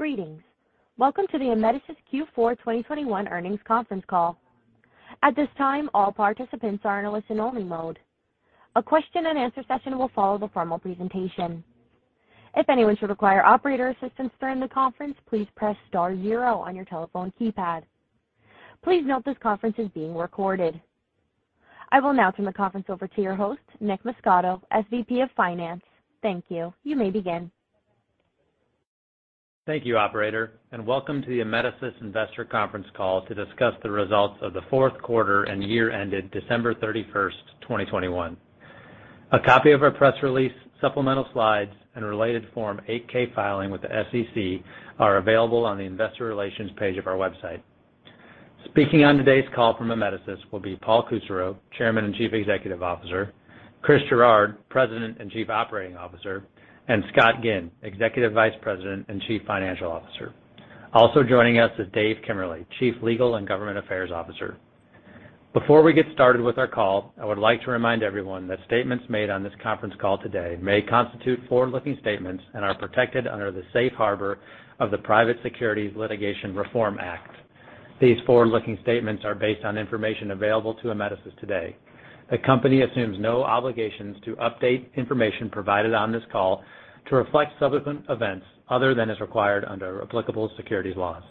Greetings. Welcome to the Amedisys Q4 2021 earnings conference call. At this time, all participants are in a listen-only mode. A question-and-answer session will follow the formal presentation. If anyone should require operator assistance during the conference, please press star zero on your telephone keypad. Please note this conference is being recorded. I will now turn the conference over to your host, Nick Muscato, SVP of Finance. Thank you. You may begin. Thank you, operator, and welcome to the Amedisys Investor Conference Call to discuss the results of the Q4 and year-ended December 31st, 2021. A copy of our press release, supplemental slides, and related Form 8-K filing with the SEC are available on the investor relations page of our website. Speaking on today's call from Amedisys will be Paul Kusserow, Chairman and Chief Executive Officer, Chris Gerard, President and Chief Operating Officer, and Scott Ginn, Executive Vice President and Chief Financial Officer. Also joining us is Dave Kemmerly, Chief Legal and Government Affairs Officer. Before we get started with our call, I would like to remind everyone that statements made on this conference call today may constitute forward-looking statements and are protected under the safe harbor of the Private Securities Litigation Reform Act. These forward-looking statements are based on information available to Amedisys today. The company assumes no obligations to update information provided on this call to reflect subsequent events other than as required under applicable securities laws.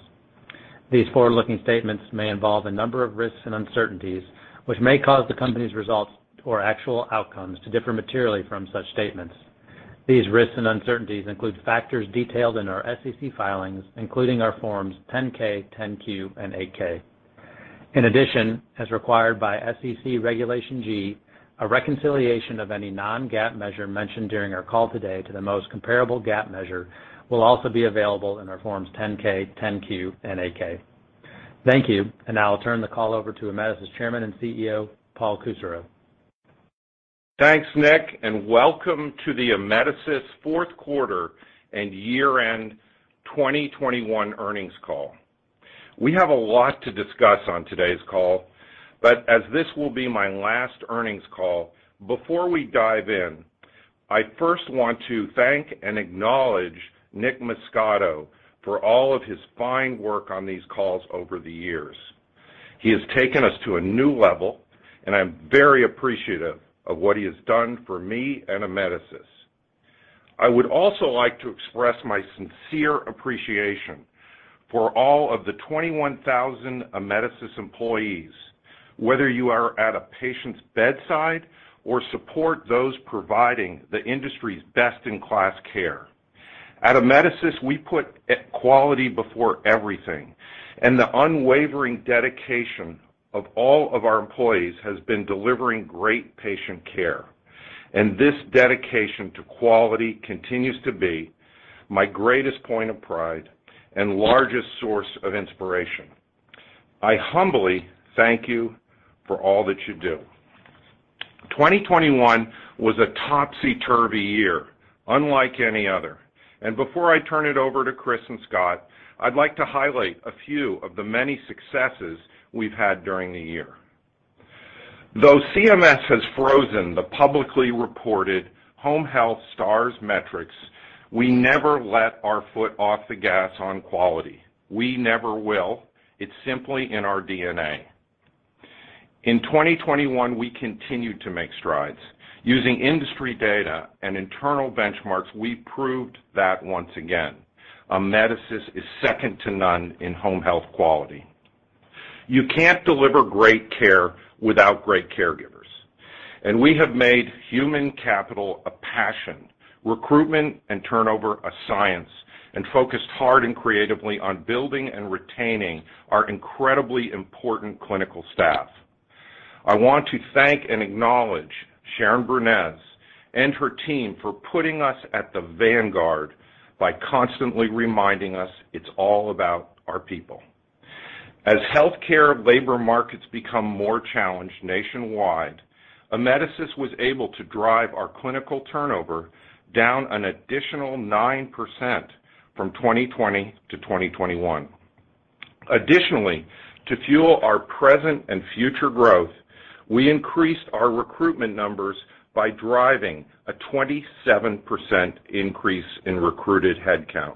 These forward-looking statements may involve a number of risks and uncertainties, which may cause the company's results or actual outcomes to differ materially from such statements. These risks and uncertainties include factors detailed in our SEC filings, including our Forms 10-K, 10-Q, and 8-K. In addition, as required by SEC Regulation G, a reconciliation of any non-GAAP measure mentioned during our call today to the most comparable GAAP measure will also be available in our Forms 10-K, 10-Q, and 8-K. Thank you. Now I'll turn the call over to Amedisys Chairman and CEO, Paul Kusserow. Thanks, Nick, and welcome to the Amedisys Q4 and year-end 2021 earnings call. We have a lot to discuss on today's call, but as this will be my last earnings call, before we dive in, I first want to thank and acknowledge Nick Muscato for all of his fine work on these calls over the years. He has taken us to a new level, and I'm very appreciative of what he has done for me and Amedisys. I would also like to express my sincere appreciation for all of the 21,000 Amedisys employees, whether you are at a patient's bedside or support those providing the industry's best-in-class care. At Amedisys, we put quality before everything, and the unwavering dedication of all of our employees has been delivering great patient care, and this dedication to quality continues to be my greatest point of pride and largest source of inspiration. I humbly thank you for all that you do. 2021 was a topsy-turvy year unlike any other. Before I turn it over to Chris and Scott, I'd like to highlight a few of the many successes we've had during the year. Though CMS has frozen the publicly reported home health stars metrics, we never let our foot off the gas on quality. We never will. It's simply in our DNA. In 2021, we continued to make strides. Using industry data and internal benchmarks, we proved that once again, Amedisys is second to none in home health quality. You can't deliver great care without great caregivers, and we have made human capital a passion, recruitment and turnover a science, and focused hard and creatively on building and retaining our incredibly important clinical staff. I want to thank and acknowledge Sharon Brunecz and her team for putting us at the vanguard by constantly reminding us it's all about our people. As healthcare labor markets become more challenged nationwide, Amedisys was able to drive our clinical turnover down an additional 9% from 2020 to 2021. Additionally, to fuel our present and future growth, we increased our recruitment numbers by driving a 27% increase in recruited headcount.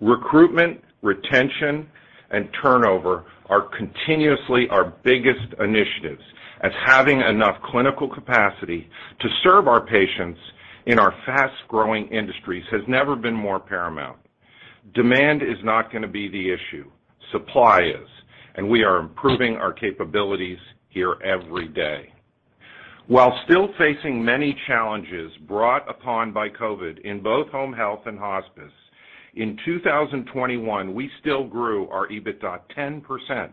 Recruitment, retention, and turnover are continuously our biggest initiatives, as having enough clinical capacity to serve our patients in our fast-growing industries has never been more paramount. Demand is not gonna be the issue. Supply is, and we are improving our capabilities here every day. While still facing many challenges brought upon by COVID in both home health and hospice, in 2021, we still grew our EBITDA 10%,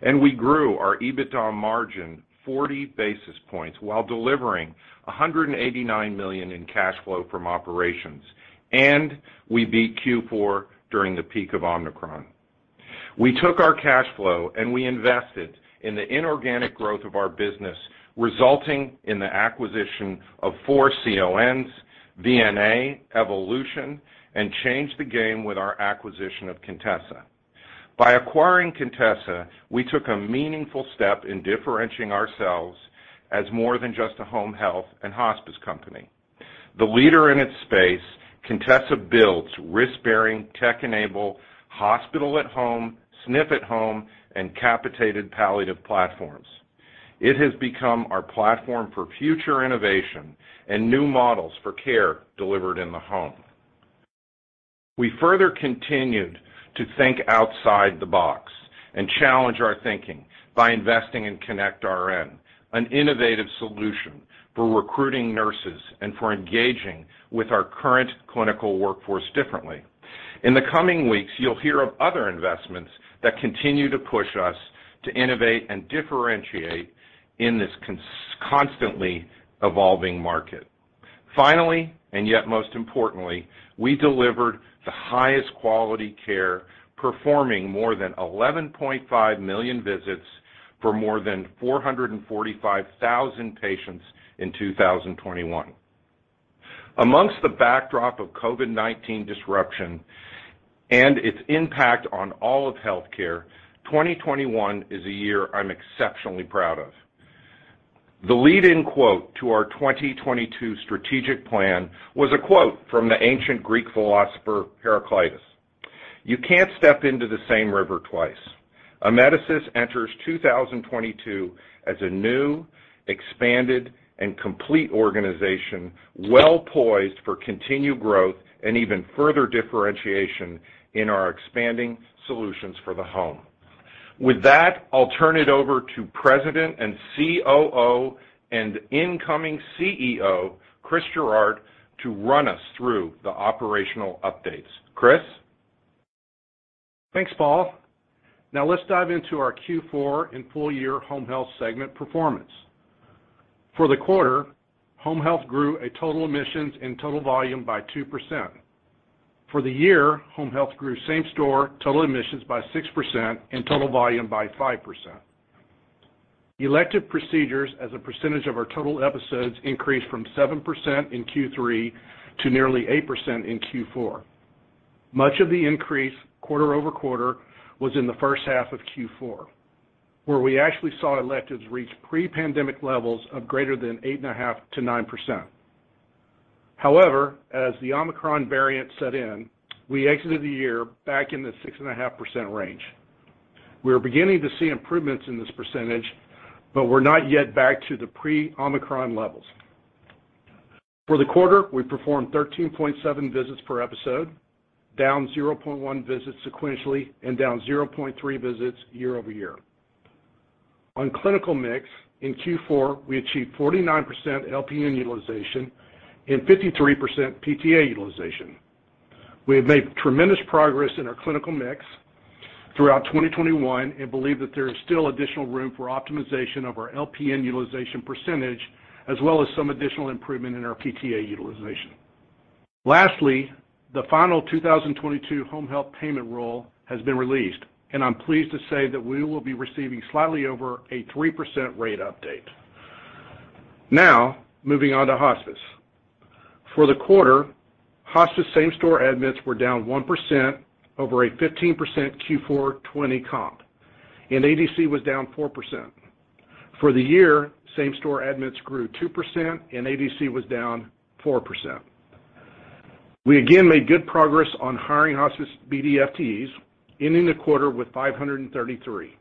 and we grew our EBITDA margin 40 basis points while delivering $189 million in cash flow from operations. We beat Q4 during the peak of Omicron. We took our cash flow, and we invested in the inorganic growth of our business, resulting in the acquisition of four CLNs, VNA, Evolution, and changed the game with our acquisition of Contessa. By acquiring Contessa, we took a meaningful step in differentiating ourselves as more than just a home health and hospice company. The leader in its space, Contessa builds risk-bearing, tech-enabled hospital at home, SNF at home, and capitated palliative platforms. It has become our platform for future innovation and new models for care delivered in the home. We further continued to think outside the box and challenge our thinking by investing in connectRN, an innovative solution for recruiting nurses and for engaging with our current clinical workforce differently. In the coming weeks, you'll hear of other investments that continue to push us to innovate and differentiate in this constantly evolving market. Finally, and yet most importantly, we delivered the highest quality care, performing more than 11.5 million visits for more than 445,000 patients in 2021. Among the backdrop of COVID-19 disruption and its impact on all of healthcare, 2021 is a year I'm exceptionally proud of. The lead-in quote to our 2022 strategic plan was a quote from the ancient Greek philosopher Heraclitus, you can't step into the same river twice. Amedisys enters 2022 as a new, expanded, and complete organization, well poised for continued growth and even further differentiation in our expanding solutions for the home. With that, I'll turn it over to President and COO and incoming CEO, Chris Gerard, to run us through the operational updates. Chris? Thanks, Paul. Now let's dive into our Q4 and full year Home Health segment performance. For the quarter, Home Health grew total admissions and total volume by 2%. For the year, Home Health grew same-store total admissions by 6% and total volume by 5%. Elective procedures as a percentage of our total episodes increased from 7% in Q3 to nearly 8% in Q4. Much of the increase quarter-over-quarter was in the H1 of Q4, where we actually saw electives reach pre-pandemic levels of greater than 8.5%-9%. However, as the Omicron variant set in, we exited the year back in the 6.5% range. We are beginning to see improvements in this percentage, but we're not yet back to the pre-Omicron levels. For the quarter, we performed 13.7 visits per episode, down 0.1 visits sequentially and down 0.3 visits year over year. On clinical mix, in Q4, we achieved 49% LPN utilization and 53% PTA utilization. We have made tremendous progress in our clinical mix throughout 2021 and believe that there is still additional room for optimization of our LPN utilization percentage as well as some additional improvement in our PTA utilization. Lastly, the final 2022 home health payment rule has been released, and I'm pleased to say that we will be receiving slightly over a 3% rate update. Now, moving on to hospice. For the quarter, hospice same store admits were down 1% over a 15% Q4 2020 comp, and ADC was down 4%. For the year, same store admits grew 2% and ADC was down 4%. We again made good progress on hiring hospice BD FTEs, ending the quarter with 533.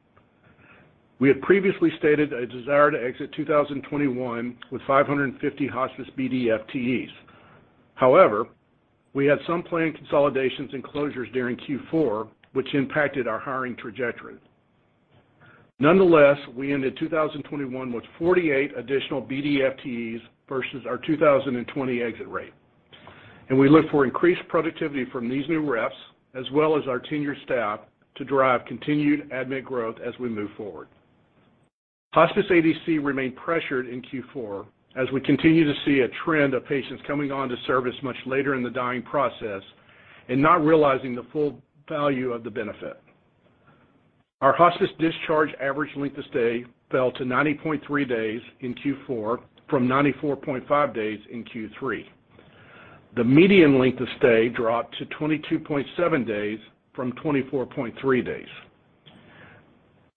We had previously stated a desire to exit 2021 with 550 hospice BD FTEs. However, we had some planned consolidations and closures during Q4, which impacted our hiring trajectory. Nonetheless, we ended 2021 with 48 additional BD FTEs versus our 2020 exit rate, and we look for increased productivity from these new reps as well as our senior staff to drive continued admit growth as we move forward. Hospice ADC remained pressured in Q4 as we continue to see a trend of patients coming on to service much later in the dying process and not realizing the full value of the benefit. Our hospice discharge average length of stay fell to 90.3 days in Q4 from 94.5 days in Q3. The median length of stay dropped to 22.7 days from 24.3 days.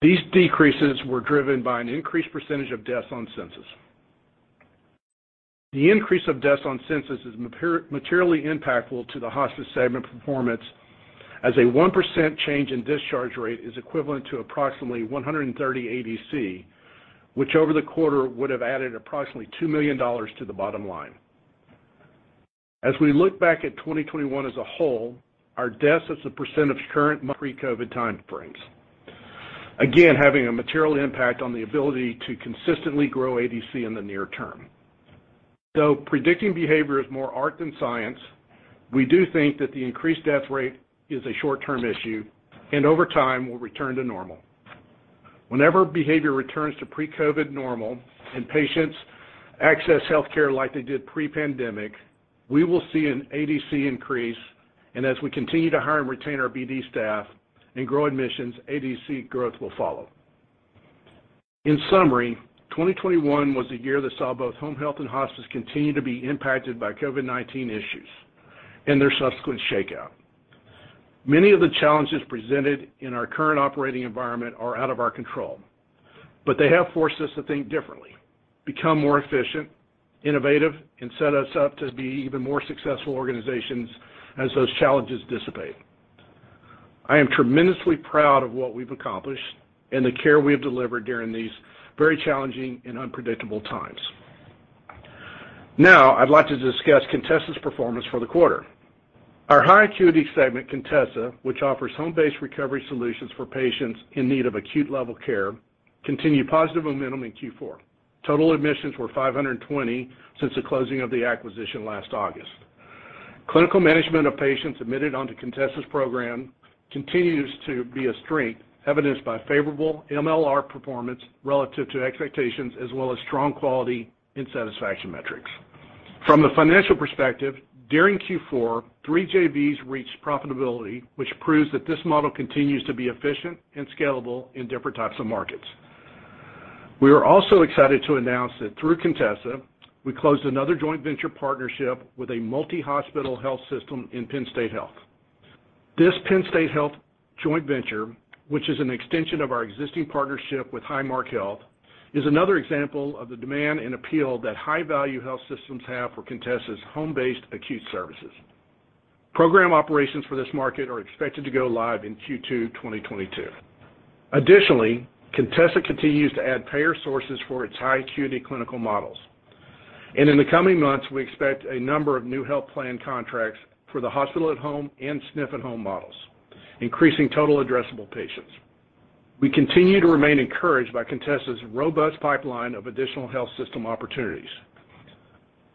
These decreases were driven by an increased percentage of deaths on census. The increase of deaths on census is materially impactful to the hospice segment performance as a 1% change in discharge rate is equivalent to approximately 130 ADC, which over the quarter would have added approximately $2 million to the bottom line. As we look back at 2021 as a whole, our deaths as a percentage current pre-COVID time frames, again, having a material impact on the ability to consistently grow ADC in the near term. Though predicting behavior is more art than science, we do think that the increased death rate is a short-term issue and over time will return to normal. Whenever behavior returns to pre-COVID normal and patients access healthcare like they did pre-pandemic, we will see an ADC increase, and as we continue to hire and retain our BD staff and grow admissions, ADC growth will follow. In summary, 2021 was the year that saw both home health and hospice continue to be impacted by COVID-19 issues and their subsequent shakeout. Many of the challenges presented in our current operating environment are out of our control, but they have forced us to think differently, become more efficient, innovative, and set us up to be even more successful organizations as those challenges dissipate. I am tremendously proud of what we've accomplished and the care we have delivered during these very challenging and unpredictable times. Now, I'd like to discuss Contessa's performance for the quarter. Our high acuity segment, Contessa, which offers home-based recovery solutions for patients in need of acute-level care, continued positive momentum in Q4. Total admissions were 520 since the closing of the acquisition last August. Clinical management of patients admitted onto Contessa's program continues to be a strength, evidenced by favorable MLR performance relative to expectations, as well as strong quality and satisfaction metrics. From the financial perspective, during Q4, three JVs reached profitability, which proves that this model continues to be efficient and scalable in different types of markets. We are also excited to announce that through Contessa, we closed another joint venture partnership with a multi-hospital health system in Penn State Health. This Penn State Health joint venture, which is an extension of our existing partnership with Highmark Health, is another example of the demand and appeal that high-value health systems have for Contessa's home-based acute services. Program operations for this market are expected to go live in Q2 2022. Additionally, Contessa continues to add payer sources for its high acuity clinical models. In the coming months, we expect a number of new health plan contracts for the hospital at home and SNF at home models, increasing total addressable patients. We continue to remain encouraged by Contessa's robust pipeline of additional health system opportunities.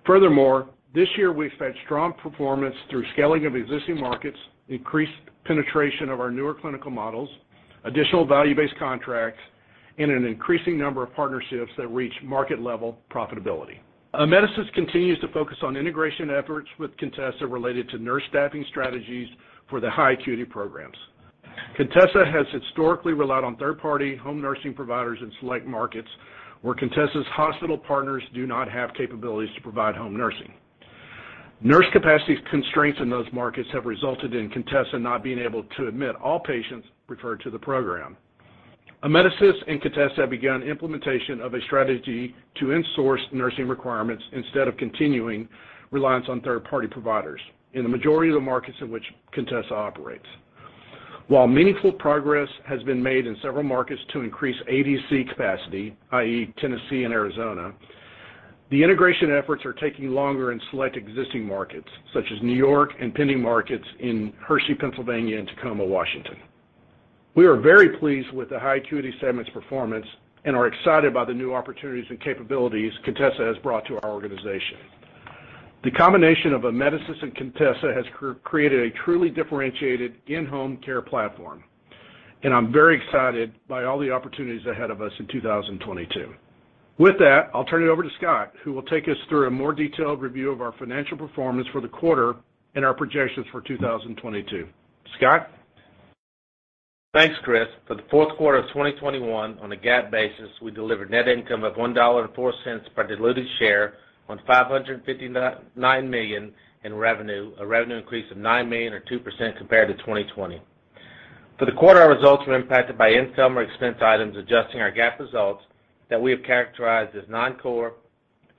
Furthermore, this year we've had strong performance through scaling of existing markets, increased penetration of our newer clinical models, additional value-based contracts, and an increasing number of partnerships that reach market-level profitability. Amedisys continues to focus on integration efforts with Contessa related to nurse staffing strategies for the high acuity programs. Contessa has historically relied on third-party home nursing providers in select markets where Contessa's hospital partners do not have capabilities to provide home nursing. Nurse capacity constraints in those markets have resulted in Contessa not being able to admit all patients referred to the program. Amedisys and Contessa have begun implementation of a strategy to in-source nursing requirements instead of continuing reliance on third-party providers in the majority of the markets in which Contessa operates. While meaningful progress has been made in several markets to increase ADC capacity, i.e., Tennessee and Arizona, the integration efforts are taking longer in select existing markets, such as New York and pending markets in Hershey, Pennsylvania, and Tacoma, Washington. We are very pleased with the high acuity segment's performance and are excited about the new opportunities and capabilities Contessa has brought to our organization. The combination of Amedisys and Contessa has created a truly differentiated in-home care platform, and I'm very excited by all the opportunities ahead of us in 2022. With that, I'll turn it over to Scott, who will take us through a more detailed review of our financial performance for the quarter and our projections for 2022. Scott? Thanks, Chris. For the Q4 of 2021, on a GAAP basis, we delivered net income of $1.04 per diluted share on $559 million in revenue, a revenue increase of $9 million or 2% compared to 2020. For the quarter, our results were impacted by income or expense items adjusting our GAAP results that we have characterized as non-core,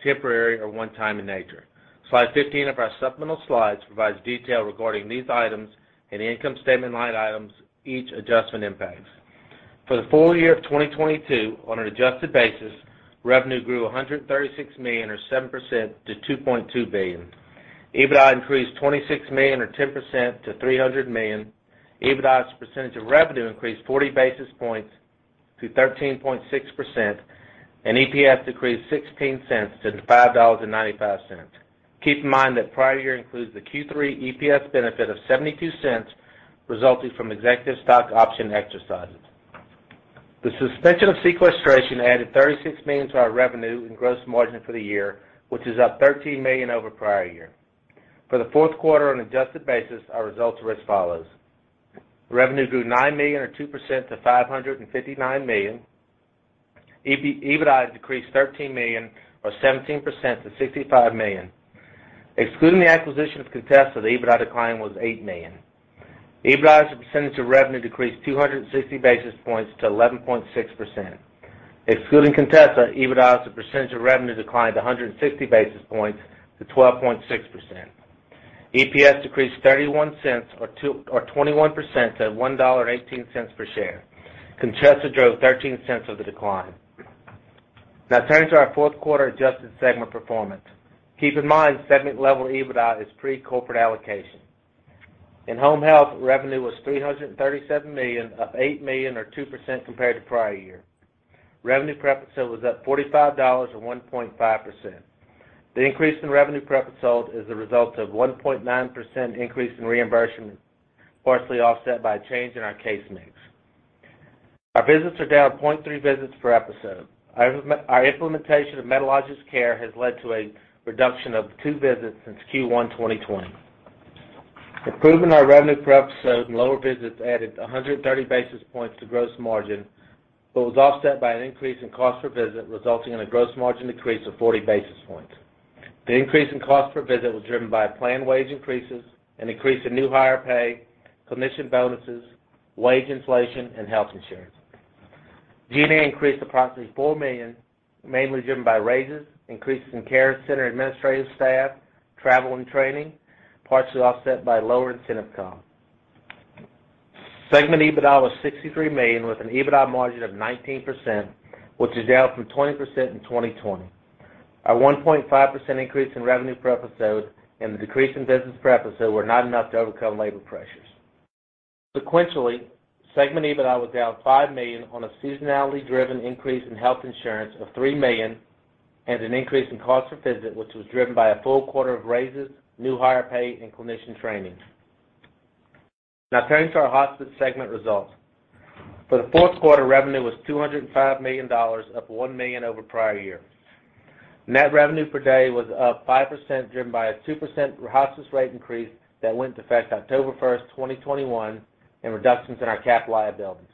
temporary, or one time in nature. Slide 15 of our supplemental slides provides detail regarding these items and the income statement line items each adjustment impacts. For the full year of 2022, on an adjusted basis, revenue grew $136 million or 7% to $2.2 billion. EBITDA increased $26 million or 10% to $300 million. EBITDA as a percentage of revenue increased 40 basis points to 13.6%, and EPS decreased $0.16 to $5.95. Keep in mind that prior year includes the Q3 EPS benefit of $0.72 resulting from executive stock option exercises. The suspension of sequestration added $36 million to our revenue and gross margin for the year, which is up $13 million over prior year. For the Q4 on an adjusted basis, our results were as follows. Revenue grew $9 million or 2% to $559 million. EBITDA decreased $13 million or 17% to $65 million. Excluding the acquisition of Contessa, the EBITDA decline was $8 million. EBITDA as a percentage of revenue decreased 260 basis points to 11.6%. Excluding Contessa, EBITDA as a percentage of revenue declined 160 basis points to 12.6%. EPS decreased $0.31 or 21% to $1.18 per share. Contessa drove $0.13 of the decline. Now turning to our Q4 adjusted segment performance. Keep in mind, segment-level EBITDA is pre-corporate allocation. In home health, revenue was $337 million, up $8 million or 2% compared to prior year. Revenue per episode was up $45 or 1.5%. The increase in revenue per episode is the result of 1.9% increase in reimbursement, partially offset by a change in our case mix. Our visits are down 0.3 visits per episode. Our implementation of Medalogix Care has led to a reduction of two visits since Q1 2020. Improvement in our revenue per episode and lower visits added 130 basis points to gross margin, but was offset by an increase in cost per visit, resulting in a gross margin decrease of 40 basis points. The increase in cost per visit was driven by planned wage increases, an increase in new hire pay, clinician bonuses, wage inflation, and health insurance. G&A increased approximately $4 million, mainly driven by raises, increases in care center administrative staff, travel and training, partially offset by lower incentive comp. Segment EBITDA was $63 million, with an EBITDA margin of 19%, which is down from 20% in 2020. Our 1.5% increase in revenue per episode and the decrease in visits per episode were not enough to overcome labor pressures. Sequentially, segment EBITDA was down $5 million on a seasonality-driven increase in health insurance of $3 million and an increase in cost per visit, which was driven by a full quarter of raises, new hire pay, and clinician training. Now turning to our hospice segment results. For the Q4, revenue was $205 million, up $1 million over prior year. Net revenue per day was up 5%, driven by a 2% hospice rate increase that went into effect October 1st, 2021, and reductions in our CAP liability.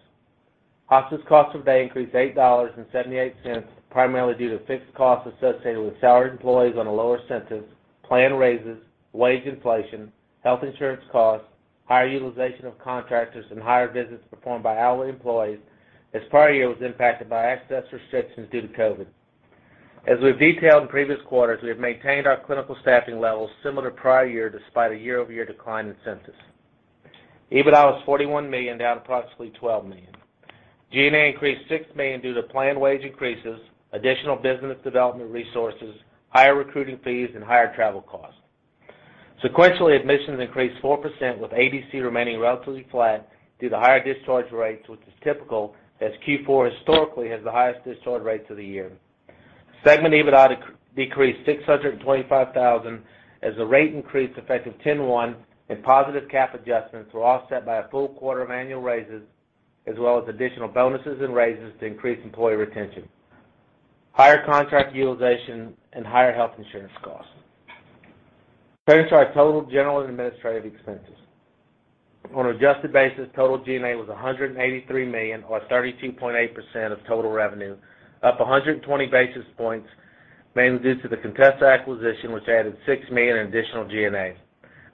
Hospice cost per day increased $8.78, primarily due to fixed costs associated with salaried employees on a lower census, planned raises, wage inflation, health insurance costs, higher utilization of contractors, and higher visits performed by hourly employees, as prior year was impacted by access restrictions due to COVID. As we've detailed in previous quarters, we have maintained our clinical staffing levels similar to prior year despite a year-over-year decline in census. EBITDA was $41 million, down approximately $12 million. G&A increased $6 million due to planned wage increases, additional business development resources, higher recruiting fees, and higher travel costs. Sequentially, admissions increased 4%, with ADC remaining relatively flat due to higher discharge rates, which is typical as Q4 historically has the highest discharge rates of the year. Segment EBITDA decreased $625,000 as the rate increase effective 10/1 and positive CAP adjustments were offset by a full quarter of annual raises as well as additional bonuses and raises to increase employee retention, higher contract utilization, and higher health insurance costs. Turning to our total general and administrative expenses. On an adjusted basis, total G&A was $183 million, or 32.8% of total revenue, up 120 basis points, mainly due to the Contessa acquisition, which added $6 million in additional G&A.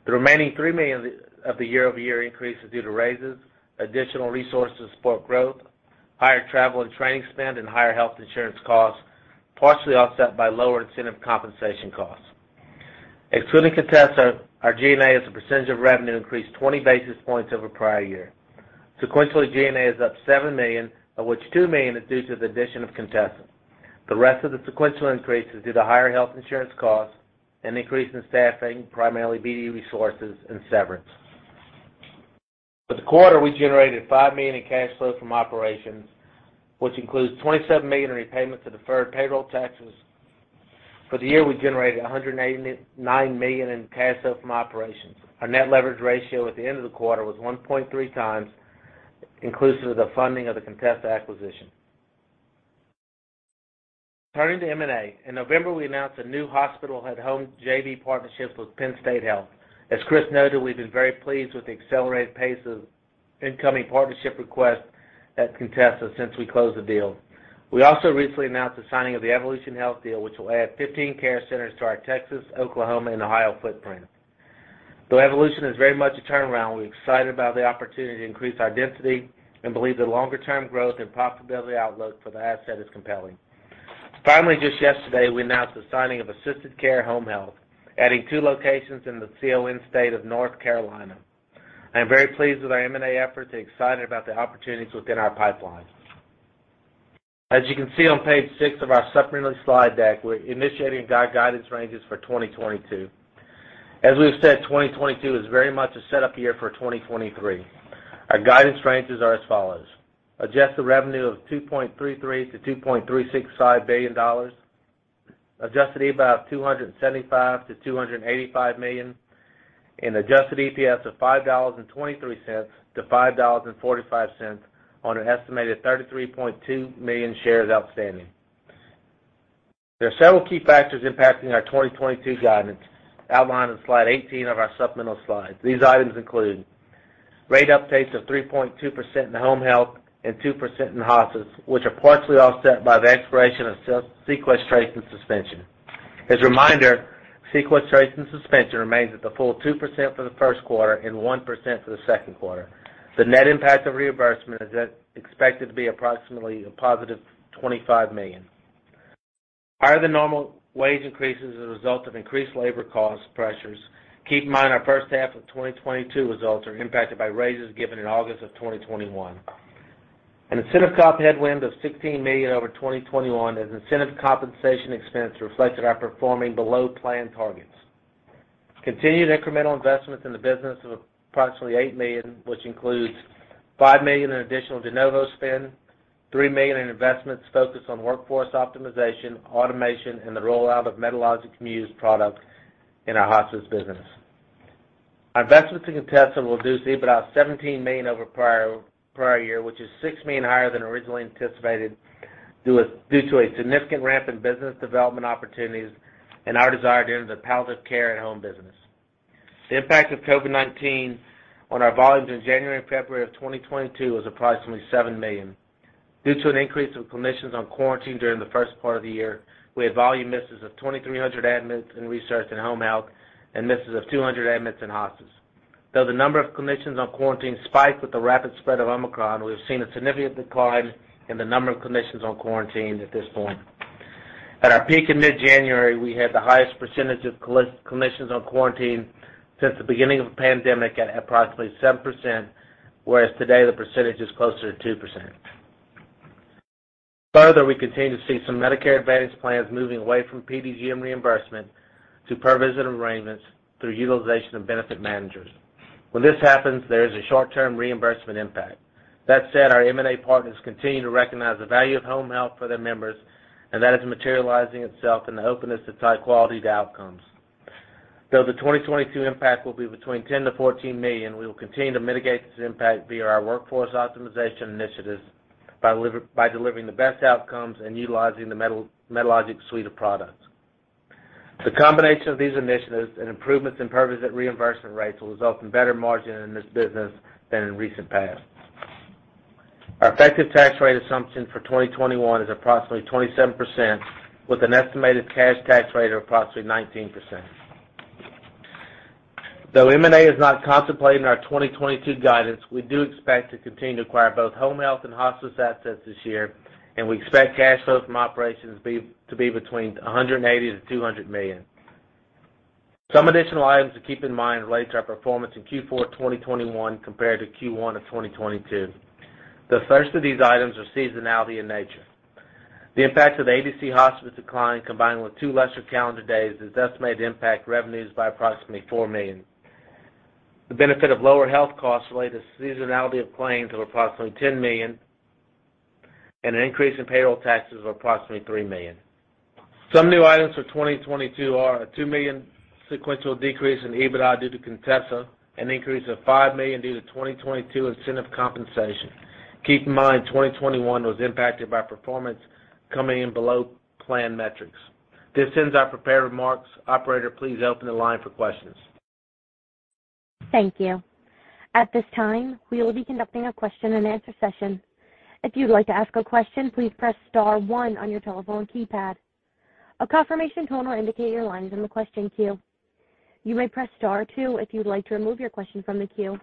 The remaining $3 million of the year-over-year increase is due to raises, additional resources to support growth, higher travel and training spend, and higher health insurance costs, partially offset by lower incentive compensation costs. Excluding Contessa, our G&A as a percentage of revenue increased 20 basis points over prior year. Sequentially, G&A is up $7 million, of which $2 million is due to the addition of Contessa. The rest of the sequential increase is due to higher health insurance costs, an increase in staffing, primarily BD resources, and severance. For the quarter, we generated $5 million in cash flow from operations, which includes $27 million in repayment to deferred payroll taxes. For the year, we generated $189 million in cash flow from operations. Our net leverage ratio at the end of the quarter was 1.3x, inclusive of the funding of the Contessa acquisition. Turning to M&A. In November, we announced a new hospital at home JV partnership with Penn State Health. As Chris noted, we've been very pleased with the accelerated pace of incoming partnership requests at Contessa since we closed the deal. We also recently announced the signing of the Evolution Health deal, which will add 15 care centers to our Texas, Oklahoma, and Ohio footprint. Though Evolution is very much a turnaround, we're excited about the opportunity to increase our density and believe the longer-term growth and profitability outlook for the asset is compelling. Finally, just yesterday, we announced the signing of Assisted Care Home Health, adding two locations in the CON state of North Carolina. I am very pleased with our M&A efforts and excited about the opportunities within our pipeline. As you can see on page six of our supplemental slide deck, we're initiating our guidance ranges for 2022. As we've said, 2022 is very much a setup year for 2023. Our guidance ranges are as follows: adjusted revenue of $2.33 billion-$2.365 billion, adjusted EBITDA of $275 million-$285 million, and adjusted EPS of $5.23-$5.45 on an estimated 33.2 million shares outstanding. There are several key factors impacting our 2022 guidance outlined on slide 18 of our supplemental slides. These items include rate updates of 3.2% in home health and 2% in hospice, which are partially offset by the expiration of sequestration suspension. As a reminder, sequestration suspension remains at the full 2% for the Q1 and 1% for the Q2. The net impact of reimbursement is expected to be approximately a positive $25 million. Higher than normal wage increases as a result of increased labor cost pressures. Keep in mind, our H1 of 2022 results are impacted by raises given in August 2021. An incentive comp headwind of $16 million over 2021 as incentive compensation expense reflected our performing below plan targets. Continued incremental investments in the business of approximately $8 million, which includes $5 million in additional de novo spend, $3 million in investments focused on workforce optimization, automation, and the rollout of Medalogix Muse product in our hospice business. Our investments in Contessa will reduce EBITDA $17 million over prior year, which is $6 million higher than originally anticipated due to a significant ramp in business development opportunities and our desire to enter the palliative care at home business. The impact of COVID-19 on our volumes in January and February of 2022 was approximately $7 million. Due to an increase of clinicians on quarantine during the first part of the year, we had volume misses of 2,300 admits in research and home health, and misses of 200 admits in hospice. Though the number of clinicians on quarantine spiked with the rapid spread of Omicron, we have seen a significant decline in the number of clinicians on quarantine at this point. At our peak in mid-January, we had the highest percentage of clinicians on quarantine since the beginning of the pandemic at approximately 7%, whereas today the percentage is closer to 2%. Further, we continue to see some Medicare Advantage plans moving away from PDGM reimbursement to per visit arrangements through utilization of benefit managers. When this happens, there is a short-term reimbursement impact. That said, our M&A partners continue to recognize the value of home health for their members, and that is materializing itself in the openness to tie quality to outcomes. Though the 2022 impact will be between $10 million-$14 million, we will continue to mitigate this impact via our workforce optimization initiatives by leveraging, by delivering the best outcomes and utilizing the Medalogix suite of products. The combination of these initiatives and improvements in per visit reimbursement rates will result in better margin in this business than in recent past. Our effective tax rate assumption for 2021 is approximately 27%, with an estimated cash tax rate of approximately 19%. Though M&A is not contemplated in our 2022 guidance, we do expect to continue to acquire both home health and hospice assets this year, and we expect cash flow from operations to be between $180 million-$200 million. Some additional items to keep in mind related to our performance in Q4 2021 compared to Q1 of 2022. The first of these items are seasonality in nature. The impact of the ADC hospice decline, combined with two lesser calendar days, is estimated to impact revenues by approximately $4 million. The benefit of lower health costs related to seasonality of claims of approximately $10 million and an increase in payroll taxes of approximately $3 million. Some new items for 2022 are a $2 million sequential decrease in EBITDA due to Contessa, an increase of $5 million due to 2022 incentive compensation. Keep in mind, 2021 was impacted by performance coming in below plan metrics. This ends our prepared remarks. Operator, please open the line for questions. Thank you. At this time, we will be conducting a question-and-answer session. If you'd like to ask a question, please press star one on your telephone keypad. A confirmation tone will indicate your line is in the question queue. You may press star two if you'd like to remove your question from the queue.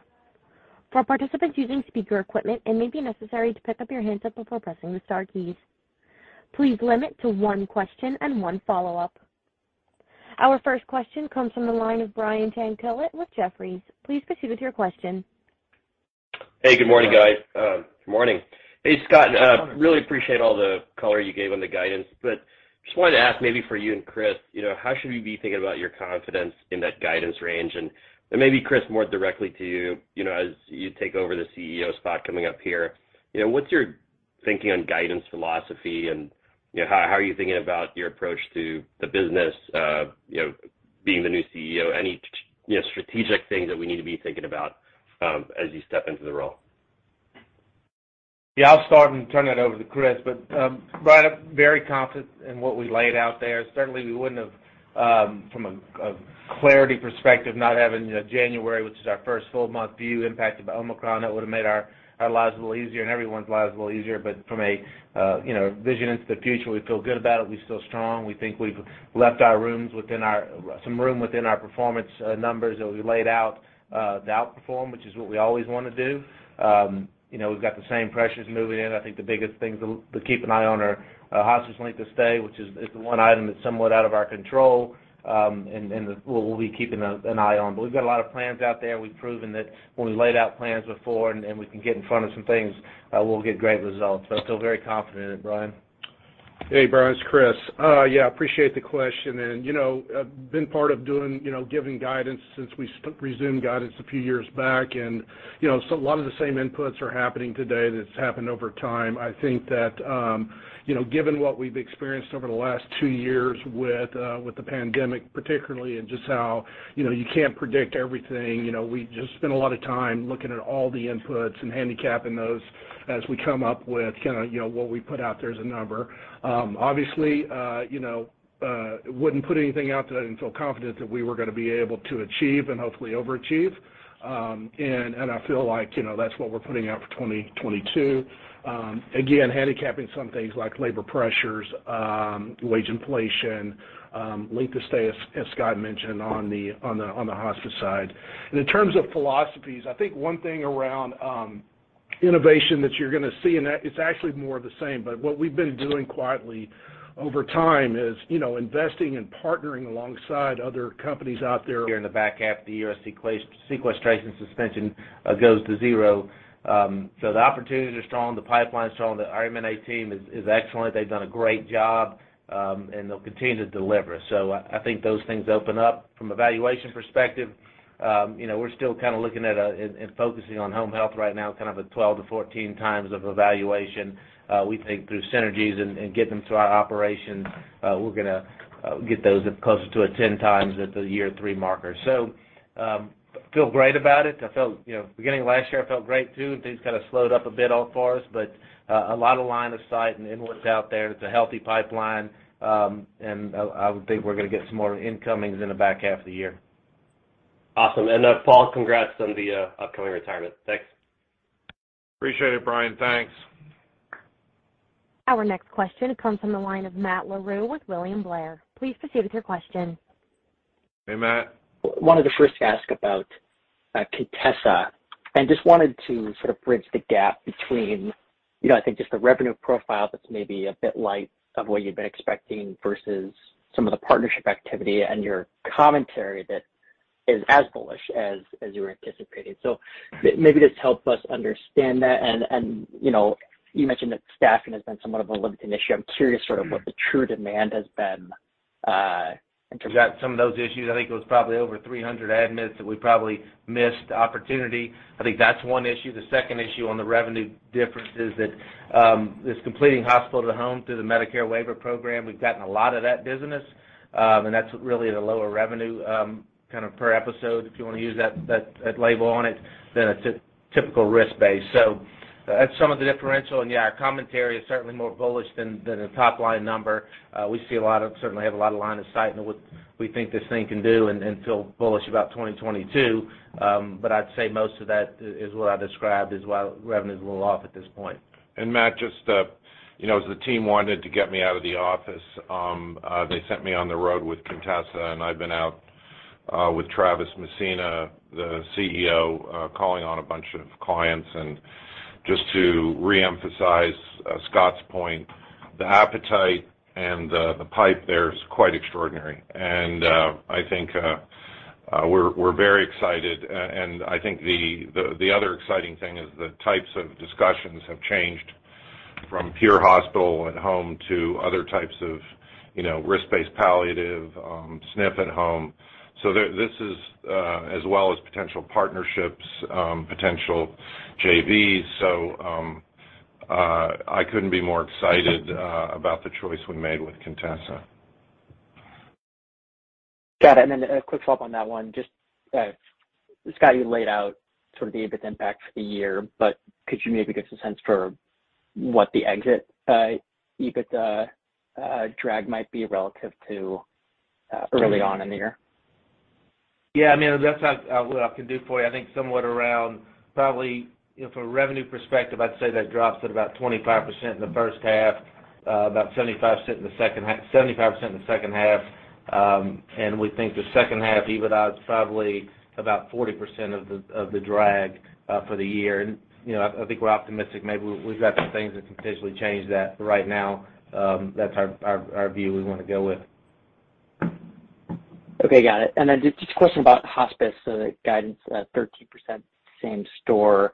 For participants using speaker equipment, it may be necessary to pick up your handset before pressing the star keys. Please limit to one question and one follow-up. Our first question comes from the line of Brian Tanquilut with Jefferies. Please proceed with your question. Hey, good morning, guys. Good morning. Hey, Scott, really appreciate all the color you gave on the guidance. Just wanted to ask maybe for you and Chris, you know, how should we be thinking about your confidence in that guidance range? Maybe Chris, more directly to you know, as you take over the CEO spot coming up here, you know, what's your thinking on guidance philosophy and, you know, how are you thinking about your approach to the business, you know, being the new CEO? Any strategic things that we need to be thinking about as you step into the role? Yeah, I'll start and turn it over to Chris. Brian, I'm very confident in what we laid out there. Certainly, we wouldn't have, from a clarity perspective, not having, you know, January, which is our first full month view impacted by Omicron, that would have made our lives a little easier and everyone's lives a little easier. From a vision into the future, we feel good about it. We feel strong. We think we've left some room within our performance numbers that we laid out to outperform, which is what we always wanna do. You know, we've got the same pressures moving in. I think the biggest things to keep an eye on are hospice length of stay, which is the one item that's somewhat out of our control, and we'll be keeping an eye on. We've got a lot of plans out there. We've proven that when we laid out plans before and we can get in front of some things, we'll get great results. I feel very confident in it, Brian. Hey, Brian, it's Chris. Yeah, appreciate the question. You know, I've been part of doing, you know, giving guidance since we resumed guidance a few years back. You know, a lot of the same inputs are happening today that's happened over time. I think that, you know, given what we've experienced over the last two years with the pandemic particularly, and just how, you know, you can't predict everything, you know, we just spend a lot of time looking at all the inputs and handicapping those as we come up with kinda, you know, what we put out there as a number. Obviously, you know, wouldn't put anything out there I didn't feel confident that we were gonna be able to achieve and hopefully overachieve. I feel like, you know, that's what we're putting out for 2022. Again, handicapping some things like labor pressures, wage inflation, length of stay, as Scott mentioned, on the hospice side. In terms of financials, I think one thing around innovation that you're gonna see, and that is actually more of the same, but what we've been doing quietly over time is, you know, investing and partnering alongside other companies out there. Here in the back half of the year, sequestration suspension goes to zero. The opportunities are strong, the pipeline's strong. The M&A team is excellent. They've done a great job, and they'll continue to deliver. I think those things open up from a valuation perspective. You know, we're still kinda looking at and focusing on home health right now, kind of at 12x-14x valuation. We think through synergies and getting them through our operations, we're gonna get those at closer to a 10x at the year three marker. Feel great about it. I felt, you know, beginning of last year, I felt great, too. Things kinda slowed up a bit for all of us, but a lot of line of sight and inroads out there. It's a healthy pipeline, and I would think we're gonna get some more incomings in the back half of the year. Awesome. Paul, congrats on the upcoming retirement. Thanks. Appreciate it, Brian. Thanks. Our next question comes from the line of Matt Larew with William Blair. Please proceed with your question. Hey, Matt. I wanted to first ask about Contessa, and just wanted to sort of bridge the gap between, you know, I think just the revenue profile that's maybe a bit light on what you've been expecting versus some of the partnership activity and your commentary that is as bullish as you were anticipating. Maybe just help us understand that, and you know, you mentioned that staffing has been somewhat of a limiting issue. I'm curious sort of what the true demand has been in terms of- We've got some of those issues. I think it was probably over 300 admits that we probably missed the opportunity. I think that's one issue. The second issue on the revenue difference is that this hospital to home through the Medicare waiver program, we've gotten a lot of that business, and that's really the lower revenue kind of per episode, if you wanna use that label on it, than a typical risk-based. So, that's some of the differential, and yeah, our commentary is certainly more bullish than the top line number. We certainly have a lot of line of sight into what we think this thing can do and feel bullish about 2022. I'd say most of that is what I described is why revenue's a little off at this point. Matt, just, you know, as the team wanted to get me out of the office, they sent me on the road with Contessa, and I've been out with Travis Messina, CEO, calling on a bunch of clients. Just to reemphasize Scott's point, the appetite and the pipe there is quite extraordinary. I think we're very excited. I think the other exciting thing is the types of discussions have changed from pure hospital-at-home to other types of, you know, risk-based palliative, SNF at home, as well as potential partnerships, potential JVs. I couldn't be more excited about the choice we made with Contessa. Got it. A quick follow-up on that one. Just, Scott, you laid out sort of the EBIT impact for the year, but could you maybe give some sense for what the exit, EBIT, drag might be relative to, early on in the year? Yeah, I mean, that's not what I can do for you. I think somewhat around probably, you know, from a revenue perspective, I'd say that drops at about 25% in the H1, about 75% in the H2. We think the H2 EBITDA is probably about 40% of the drag for the year. You know, I think we're optimistic. Maybe we've got some things that can potentially change that. Right now, that's our view we wanna go with. Okay. Got it. Then just a question about hospice guidance at 13% same store.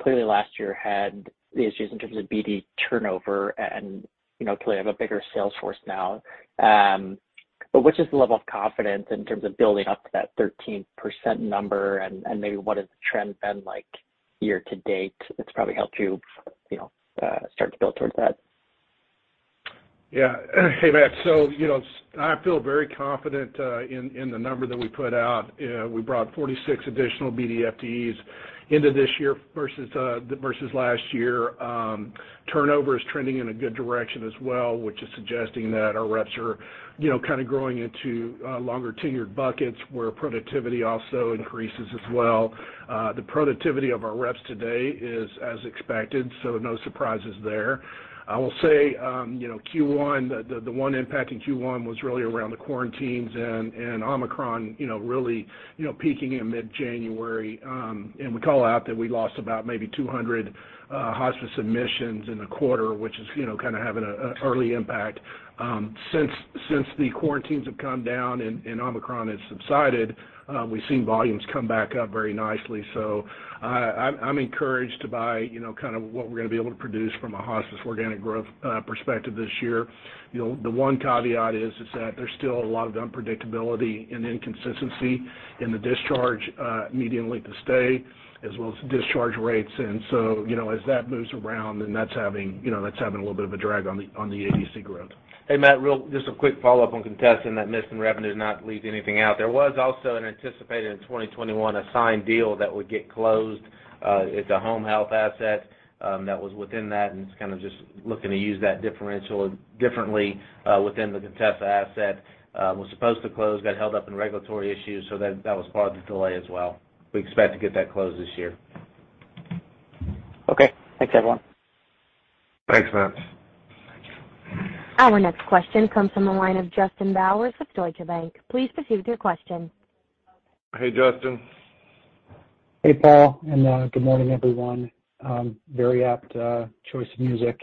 Clearly last year had the issues in terms of BD turnover and, you know, clearly have a bigger sales force now. But what is the level of confidence in terms of building up to that 13% number? And maybe what has the trend been like year to date that's probably helped you know, start to build towards that? Hey, Matt. You know, I feel very confident in the number that we put out. We brought 46 additional BD FTEs into this year versus last year. Turnover is trending in a good direction as well, which is suggesting that our reps are kinda growing into longer tenured buckets where productivity also increases as well. The productivity of our reps today is as expected, so no surprises there. I will say, Q1, the one impact in Q1 was really around the quarantines and Omicron really peaking in mid-January. We call out that we lost about maybe 200 hospice admissions in the quarter, which is kinda having an early impact. Since the quarantines have come down and Omicron has subsided, we've seen volumes come back up very nicely. I'm encouraged by, you know, kind of what we're gonna be able to produce from a hospice organic growth perspective this year. You know, the one caveat is that there's still a lot of unpredictability and inconsistency in the discharge median length of stay as well as discharge rates. You know, as that moves around, then that's having a little bit of a drag on the ADC growth. Hey, Matt, just a quick follow-up on Contessa and that missing revenue to not leave anything out. There was also an anticipated in 2021 acquisition deal that would get closed. It's a home health asset that was within that, and it's kinda just looking to use that deferral differently within the Contessa asset. It was supposed to close, got held up in regulatory issues, so that was part of the delay as well. We expect to get that closed this year. Okay. Thanks, everyone. Thanks, Matt. Our next question comes from the line of Justin Bowers with Deutsche Bank. Please proceed with your question. Hey, Justin. Hey, Paul, and good morning, everyone. Very apt choice of music.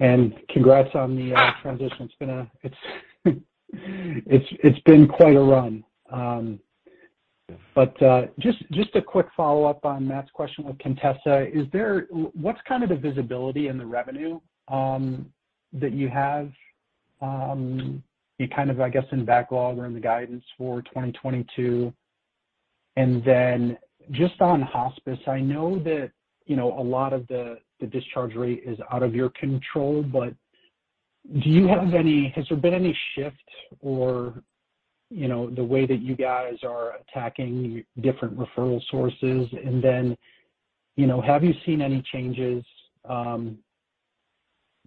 Congrats on the transition. It's been quite a run. Just a quick follow-up on Matt's question with Contessa. What's kind of the visibility in the revenue that you have kind of, I guess, in backlog or in the guidance for 2022? Just on hospice, I know that you know a lot of the discharge rate is out of your control, but has there been any shift or you know the way that you guys are attacking different referral sources? You know, have you seen any changes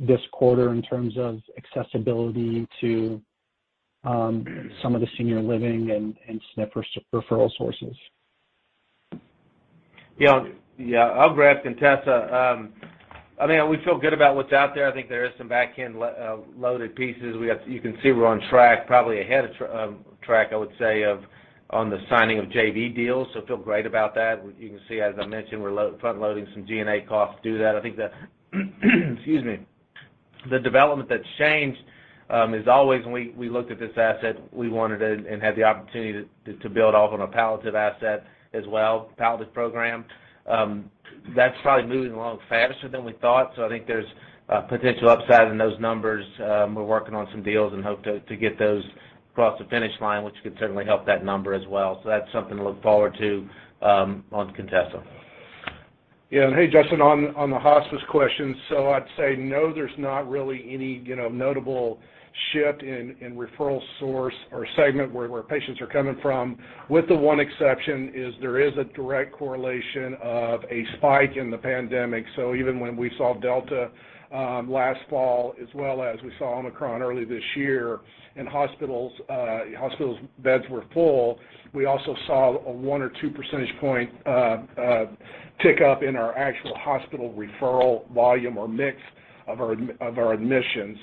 this quarter in terms of accessibility to some of the senior living and SNF referral sources? Yeah. Yeah, on upGrad, Contessa, I mean, we feel good about what's out there. I think there is some back-end loaded pieces. You can see we're on track, probably ahead of track, I would say, on the signing of JV deals, feel great about that. You can see, as I mentioned, we're front-loading some G&A costs to do that. I think the development that's changed, as always, when we looked at this asset, we wanted and had the opportunity to build off on a palliative asset as well, the palliative program. That's probably moving along faster than we thought, I think there's a potential upside in those numbers. We're working on some deals and hope to get those across the finish line, which could certainly help that number as well. That's something to look forward to, on Contessa. Yeah. Hey, Justin, on the hospice question, I'd say no, there's not really any, you know, notable shift in referral source or segment where patients are coming from, with the one exception is there is a direct correlation of a spike in the pandemic. Even when we saw Delta last fall, as well as we saw Omicron early this year, and hospitals' beds were full, we also saw a one or two percentage point tick up in our actual hospital referral volume or mix of our admissions.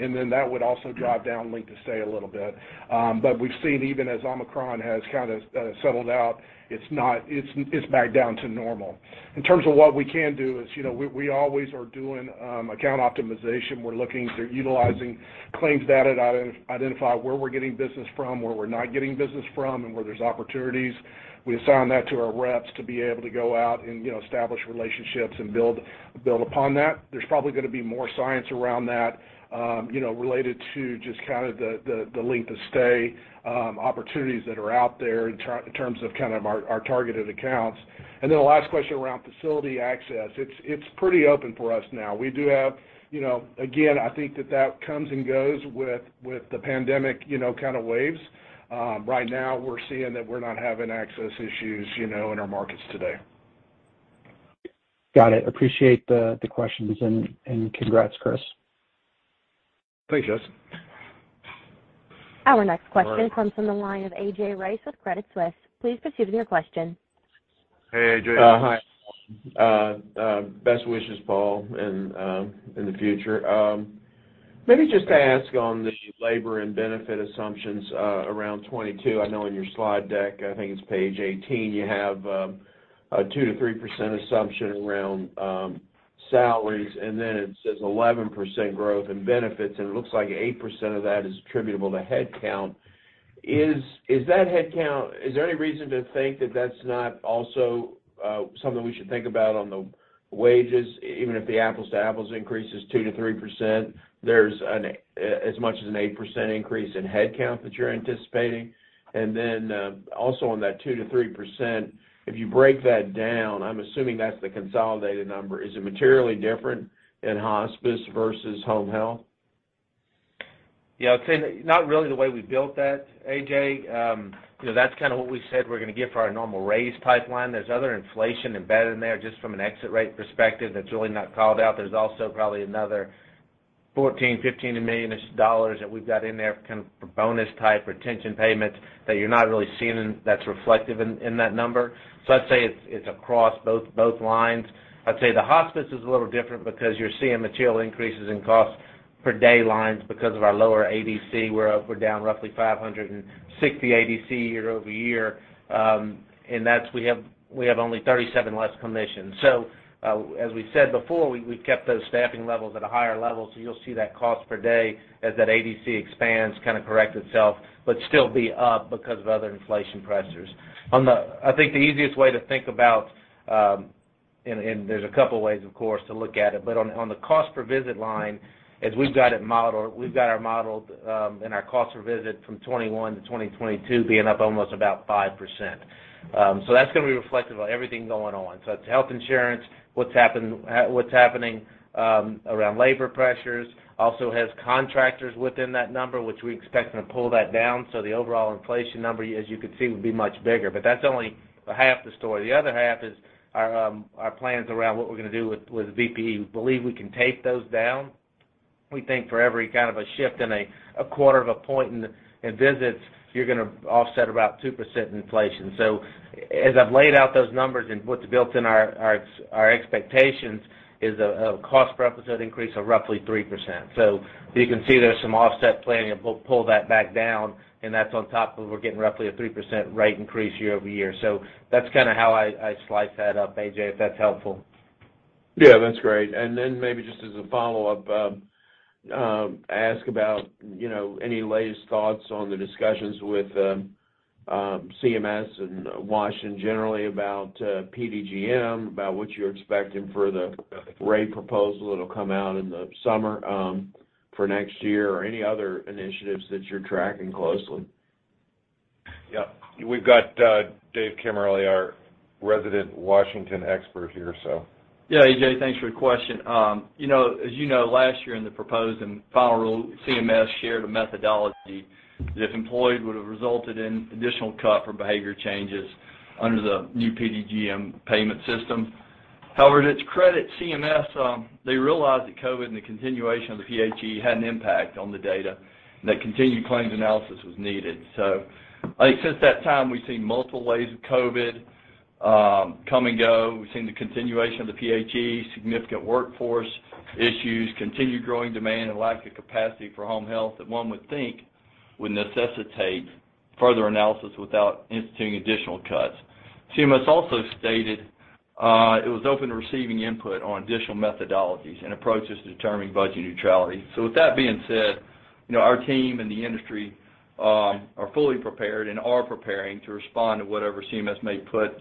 Then that would also drive down length of stay a little bit. But we've seen even as Omicron has kind of settled out, it's back down to normal. In terms of what we can do is, you know, we always are doing account optimization. We're looking to utilize claims data to identify where we're getting business from, where we're not getting business from, and where there's opportunities. We assign that to our reps to be able to go out and, you know, establish relationships and build upon that. There's probably gonna be more science around that, you know, related to just kind of the length of stay opportunities that are out there in terms of kind of our targeted accounts. The last question around facility access. It's pretty open for us now. We do have, you know. Again, I think that comes and goes with the pandemic, you know, kind of waves. Right now, we're seeing that we're not having access issues, you know, in our markets today. Got it. Appreciate the questions, and congrats, Chris. Thanks, Justin. Our next question comes from the line of A.J. Rice with Credit Suisse. Please proceed with your question. Hey, A.J. Best wishes, Paul, in the future. Let me just ask on the labor and benefit assumptions around 2022. I know in your slide deck, I think it's page 18, you have a 2%-3% assumption around salaries, and then it says 11% growth in benefits, and it looks like 8% of that is attributable to headcount. Is that headcount. Is there any reason to think that that's not also something we should think about on the wages, even if the apples to apples increase is 2%-3%, there's as much as an 8% increase in headcount that you're anticipating? Also on that 2%-3%, if you break that down, I'm assuming that's the consolidated number. Is it materially different in hospice versus home health? Yeah. I'd say not really the way we built that, A.J. You know, that's kinda what we said we're gonna get for our normal raise pipeline. There's other inflation embedded in there just from an exit rate perspective that's really not called out. There's also probably another $14-$15 million-ish that we've got in there kind of for bonus type retention payments that you're not really seeing. That's reflective in that number. I'd say it's across both lines. I'd say the hospice is a little different because you're seeing material increases in cost per day lines because of our lower ADC. We're down roughly 560 ADC year-over-year, and we have only 37 less commissions. As we said before, we've kept those staffing levels at a higher level, so you'll see that cost per day as that ADC expands, kinda correct itself, but still be up because of other inflation pressures. On the, I think the easiest way to think about, and there's a couple of ways, of course, to look at it, but on the cost per visit line, as we've got it modeled, we've got our model, and our cost per visit from 2021 to 2022 being up almost about 5%. That's gonna be reflective of everything going on. It's health insurance, what's happening around labor pressures. Also has contractors within that number, which we're expecting to pull that down. The overall inflation number, as you can see, would be much bigger. That's only half the story. The other half is our plans around what we're gonna do with VPE. We believe we can take those down. We think for every kind of a shift in a quarter of a point in visits, you're gonna offset about 2% inflation. As I've laid out those numbers and what's built in our expectations is a cost per episode increase of roughly 3%. You can see there's some offset planning, and we'll pull that back down, and that's on top of we're getting roughly a 3% rate increase year-over-year. That's kinda how I slice that up, A.J., if that's helpful. Yeah, that's great. Maybe just as a follow-up, ask about, you know, any latest thoughts on the discussions with CMS and Washington generally about PDGM, about what you're expecting for the rate proposal that'll come out in the summer for next year or any other initiatives that you're tracking closely. Yeah. We've got Dave Kemmerly, our resident Washington expert here, so. Yeah, AJ, thanks for your question. You know, as you know, last year in the proposed and final rule, CMS shared a methodology that if employed, would have resulted in additional cut for behavior changes under the new PDGM payment system. However, to its credit, CMS, they realized that COVID and the continuation of the PHE had an impact on the data, and that continued claims analysis was needed. I think since that time, we've seen multiple waves of COVID, come and go. We've seen the continuation of the PHE, significant workforce issues, continued growing demand, and lack of capacity for home health that one would think would necessitate further analysis without instituting additional cuts. CMS also stated, it was open to receiving input on additional methodologies and approaches to determining budget neutrality. With that being said, you know, our team and the industry are fully prepared and are preparing to respond to whatever CMS may put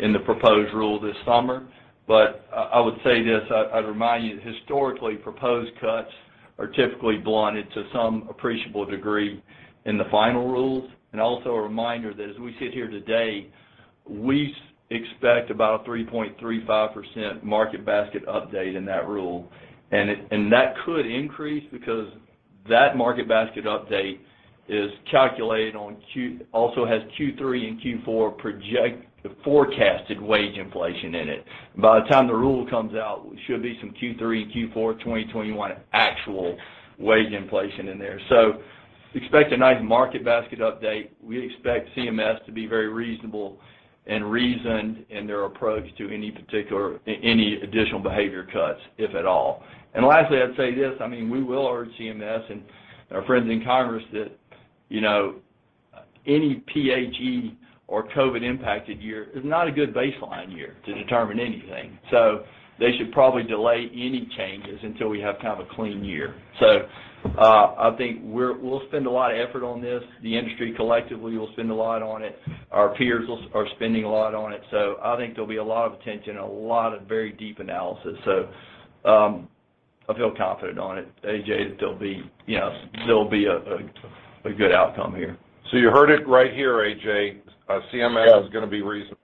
in the proposed rule this summer. But I would say this, I'd remind you that historically, proposed cuts are typically blunted to some appreciable degree in the final rules. Also a reminder that as we sit here today, we expect about a 3.35% market basket update in that rule. And that could increase because that market basket update is calculated also has Q3 and Q4 projected forecasted wage inflation in it. By the time the rule comes out, there should be some Q3 and Q4 2021 actual wage inflation in there. Expect a nice market basket update. We expect CMS to be very reasonable and reasoned in their approach to any particular, any additional behavioral cuts, if at all. Lastly, I'd say this, I mean, we will urge CMS and our friends in Congress that, you know, any PHE or COVID impacted year is not a good baseline year to determine anything. They should probably delay any changes until we have kind of a clean year. I think we'll spend a lot of effort on this. The industry collectively will spend a lot on it. Our peers are spending a lot on it. I think there'll be a lot of attention and a lot of very deep analysis. I feel confident on it, A.J., that there'll be, you know, still be a good outcome here. You heard it right here, A.J. CMS- Yeah. is gonna be reasonable.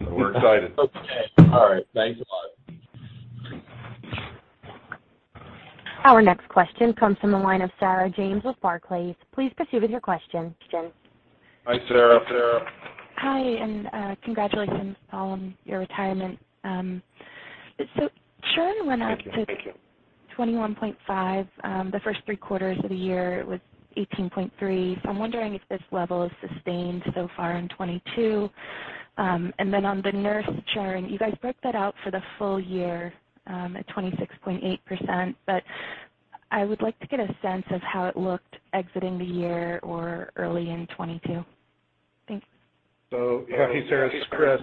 We're excited. Okay. All right. Thanks a lot. Our next question comes from the line of Sarah James with Barclays. Please proceed with your question. Hi, Sarah. Hi, and, congratulations on your retirement. Churn went up to Thank you. 21.5. The first three quarters of the year, it was 18.3. I'm wondering if this level is sustained so far in 2022. And then on the nurse churn, you guys broke that out for the full year, at 26.8%. I would like to get a sense of how it looked exiting the year or early in 2022. Thanks. Yeah. Hey, Sarah, it's Chris.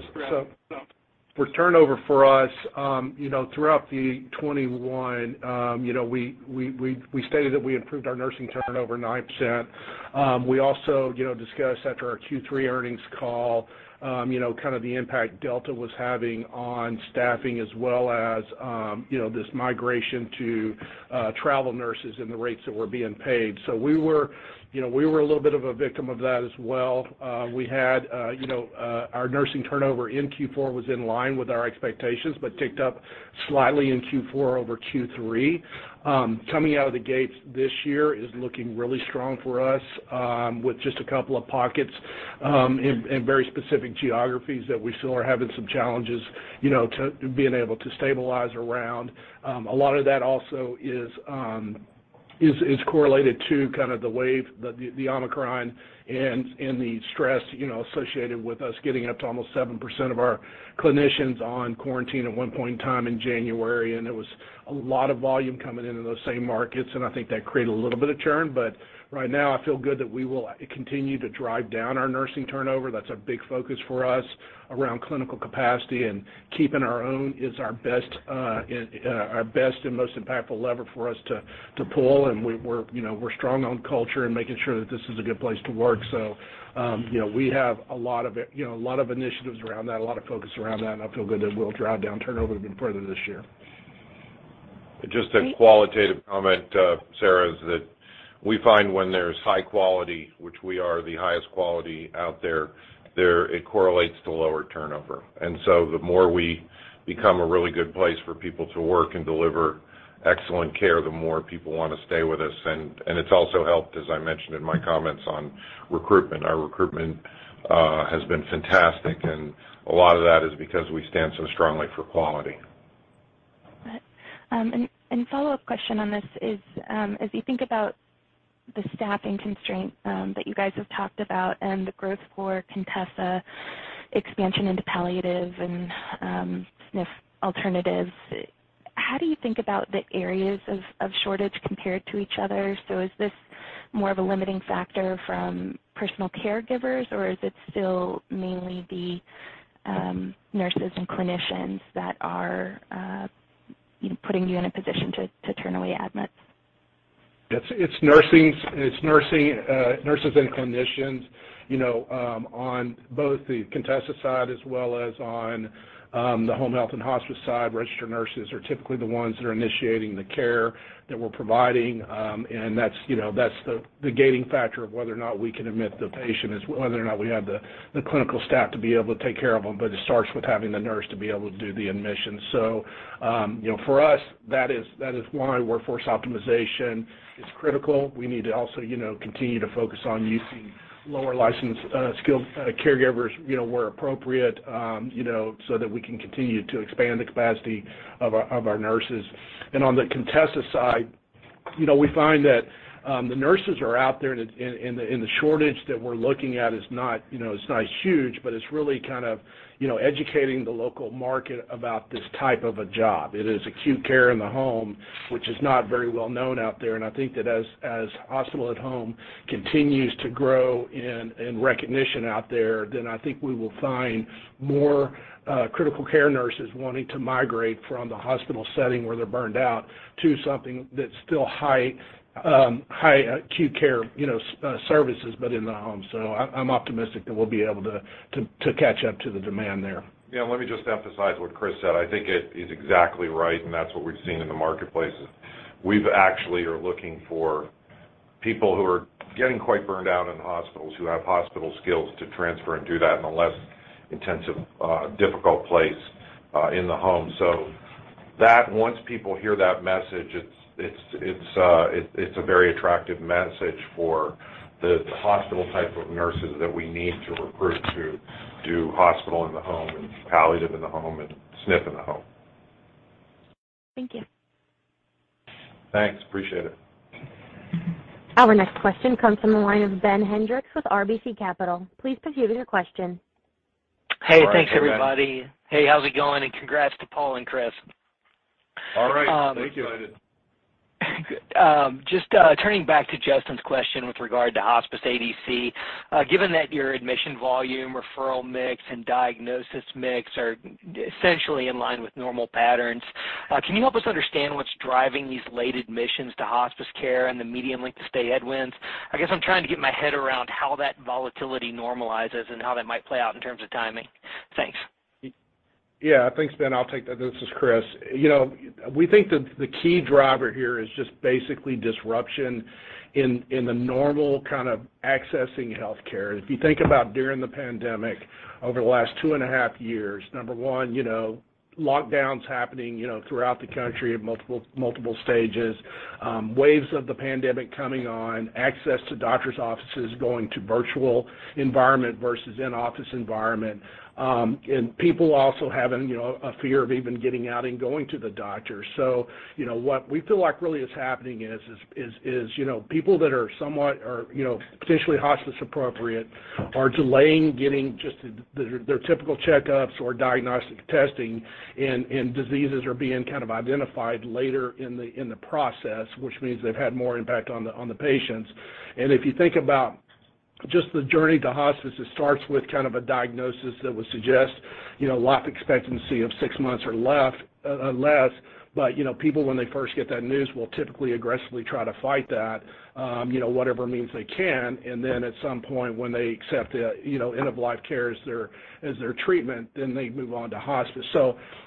For turnover for us, you know, throughout 2021, you know, we stated that we improved our nursing turnover 9%. We also, you know, discussed after our Q3 earnings call, you know, kind of the impact Delta was having on staffing as well as, you know, this migration to travel nurses and the rates that were being paid. We were, you know, we were a little bit of a victim of that as well. We had, you know, our nursing turnover in Q4 was in line with our expectations, but ticked up slightly in Q4 over Q3. Coming out of the gates this year is looking really strong for us, with just a couple of pockets in very specific geographies that we still are having some challenges, you know, to being able to stabilize around. A lot of that also is correlated to kind of the wave, the Omicron and the stress, you know, associated with us getting up to almost 7% of our clinicians on quarantine at one point in time in January. It was a lot of volume coming into those same markets, and I think that created a little bit of churn. Right now, I feel good that we will continue to drive down our nursing turnover. That's a big focus for us around clinical capacity and keeping our own is our best and most impactful lever for us to pull. You know, we're strong on culture and making sure that this is a good place to work. You know, we have a lot of it, you know, a lot of initiatives around that, a lot of focus around that, and I feel good that we'll drive down turnover even further this year. Great. Just a qualitative comment, Sarah, is that we find when there's high quality, which we are the highest quality out there, it correlates to lower turnover. The more we become a really good place for people to work and deliver excellent care, the more people wanna stay with us. It's also helped, as I mentioned in my comments on recruitment. Our recruitment has been fantastic, and a lot of that is because we stand so strongly for quality. Got it. Follow-up question on this is, as you think about the staffing constraint that you guys have talked about and the growth for Contessa expansion into palliative and SNF alternatives, how do you think about the areas of shortage compared to each other? Is this more of a limiting factor from personal caregivers, or is it still mainly the nurses and clinicians that are putting you in a position to turn away admits? It's nursing, nurses and clinicians. You know, on both the Contessa side as well as on the home health and hospice side, registered nurses are typically the ones that are initiating the care that we're providing. That's the gating factor of whether or not we can admit the patient is whether or not we have the clinical staff to be able to take care of them. It starts with having the nurse to be able to do the admission. You know, for us, that is why workforce optimization is critical. We need to also continue to focus on using lower licensed, skilled caregivers, you know, where appropriate, so that we can continue to expand the capacity of our nurses. On the Contessa side, you know, we find that the nurses are out there and in, and the shortage that we're looking at is not, you know, it's not huge, but it's really kind of, you know, educating the local market about this type of a job. It is acute care in the home, which is not very well known out there. I think that as hospital at home continues to grow in recognition out there, then I think we will find more critical care nurses wanting to migrate from the hospital setting where they're burned out to something that's still high acute care, you know, services, but in the home. I'm optimistic that we'll be able to catch up to the demand there. Yeah, let me just emphasize what Chris said. I think he's exactly right, and that's what we've seen in the marketplace. We've actually are looking for people who are getting quite burned out in hospitals, who have hospital skills to transfer and do that in a less intensive, difficult place in the home. So that once people hear that message, it's a very attractive message for the hospital type of nurses that we need to recruit to do hospital in the home and palliative in the home and SNF in the home. Thank you. Thanks. Appreciate it. Our next question comes from the line of Ben Hendrix with RBC Capital. Please proceed with your question. Hey, thanks, everybody. All right, Ben. Hey, how's it going? Congrats to Paul and Chris. All right. Thank you. Appreciate it. Just turning back to Justin's question with regard to hospice ADC, given that your admission volume, referral mix, and diagnosis mix are essentially in line with normal patterns, can you help us understand what's driving these late admissions to hospice care and the medium length of stay headwinds? I guess I'm trying to get my head around how that volatility normalizes and how that might play out in terms of timing. Thanks. Yeah. Thanks, Ben. I'll take that. This is Chris. You know, we think that the key driver here is just basically disruption in the normal kind of accessing healthcare. If you think about during the pandemic over the last 2.5 years, number one, you know, lockdowns happening, you know, throughout the country at multiple stages, waves of the pandemic coming on, access to doctor's offices going to virtual environment versus in-office environment, and people also having, you know, a fear of even getting out and going to the doctor. You know, what we feel like really is happening is, you know, people that are somewhat or, you know, potentially hospice appropriate are delaying getting just their typical checkups or diagnostic testing, and diseases are being kind of identified later in the process, which means they've had more impact on the patients. If you think about just the journey to hospice, it starts with kind of a diagnosis that would suggest, you know, life expectancy of six months or less. You know, people when they first get that news will typically aggressively try to fight that, you know, whatever means they can. Then at some point when they accept, you know, end of life care as their treatment, then they move on to hospice.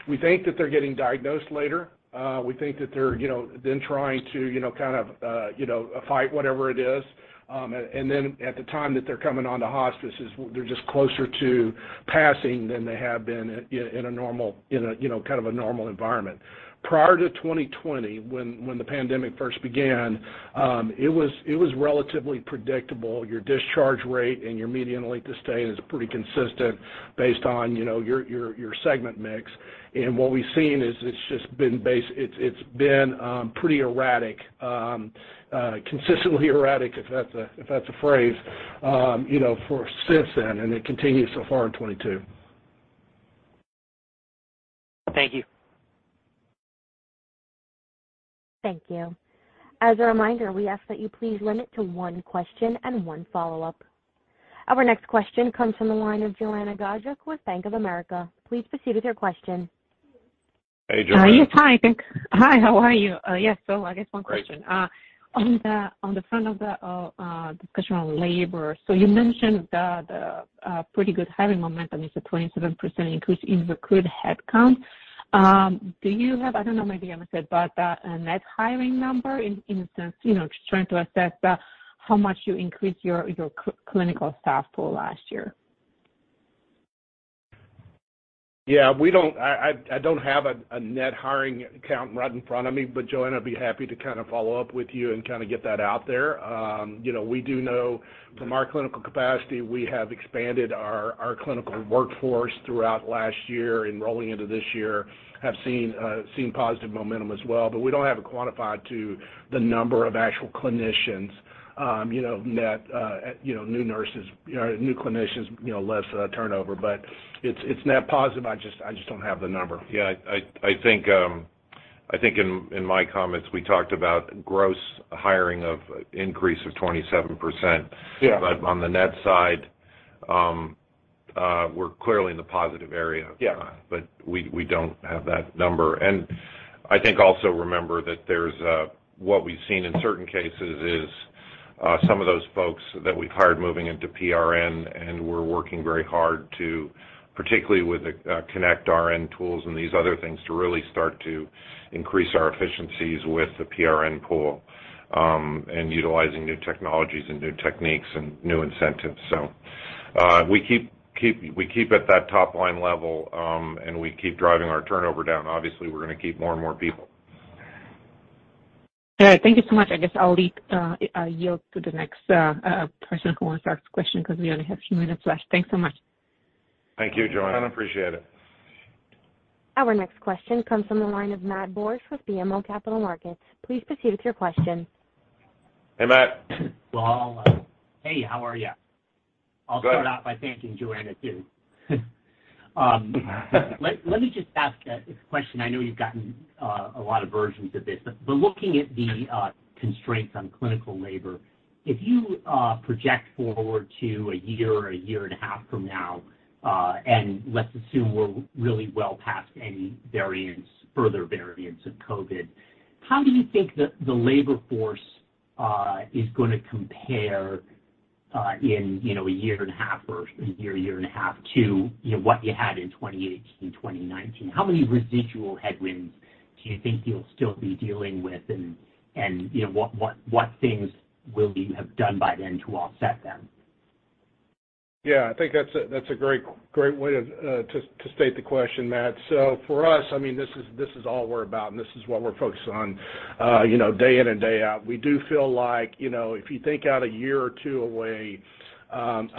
We think that they're getting diagnosed later. We think that they're, you know, then trying to, you know, kind of, you know, fight whatever it is. Then at the time that they're coming onto hospice is they're just closer to passing than they have been in a normal, you know, kind of a normal environment. Prior to 2020, when the pandemic first began, it was relatively predictable. Your discharge rate and your median length of stay is pretty consistent based on, you know, your segment mix. What we've seen is it's just been. It's been pretty erratic, consistently erratic, if that's a phrase, you know, ever since then, and it continues so far in 2022. Thank you. Thank you. As a reminder, we ask that you please limit to one question and one follow-up. Our next question comes from the line of Joanna Gajuk with Bank of America. Please proceed with your question. Hey, Joanna. Yes. Hi, thanks. Hi, how are you? Yes. I guess one question. Great. On the front of the discussion on labor. You mentioned the pretty good hiring momentum is a 27% increase in recruit headcount. Do you have? I don't know, maybe you haven't said, but a net hiring number, in a sense, you know, just trying to assess how much you increased your clinical staff pool last year. Yeah, we don't. I don't have a net hiring count right in front of me, but Joanna, I'd be happy to kind of follow up with you and kind of get that out there. You know, we do know from our clinical capacity, we have expanded our clinical workforce throughout last year and rolling into this year, have seen positive momentum as well. We don't have it quantified to the number of actual clinicians, you know, net you know, new nurses or new clinicians, you know, less turnover. It's net positive. I just don't have the number. Yeah, I think in my comments, we talked about gross hiring increase of 27%. Yeah. On the net side, we're clearly in the positive area. Yeah. We don't have that number. I think also remember that what we've seen in certain cases is some of those folks that we've hired moving into PRN, and we're working very hard to, particularly with the connectRN tools and these other things, to really start to increase our efficiencies with the PRN pool, and utilizing new technologies and new techniques and new incentives. We keep at that top-line level, and we keep driving our turnover down. Obviously, we're gonna keep more and more people. All right. Thank you so much. I guess I'll yield to the next person who wants to ask a question because we only have a few minutes left. Thanks so much. Thank you, Joanna. Appreciate it. Our next question comes from the line of Matt Borsch with BMO Capital Markets. Please proceed with your question. Hey, Matt. Well, hey, how are you? Good. I'll start out by thanking Joanna too. Let me just ask a question. I know you've gotten a lot of versions of this. Looking at the constraints on clinical labor, if you project forward to a year or a year and a half from now, and let's assume we're really well past any variants of COVID, how do you think the labor force is gonna compare in a year and a half to what you had in 2018, 2019? How many residual headwinds do you think you'll still be dealing with and you know what things will you have done by then to offset them? Yeah, I think that's a great way to state the question, Matt. For us, I mean, this is all we're about, and this is what we're focused on, you know, day in and day out. We do feel like, you know, if you think out a year or two away, and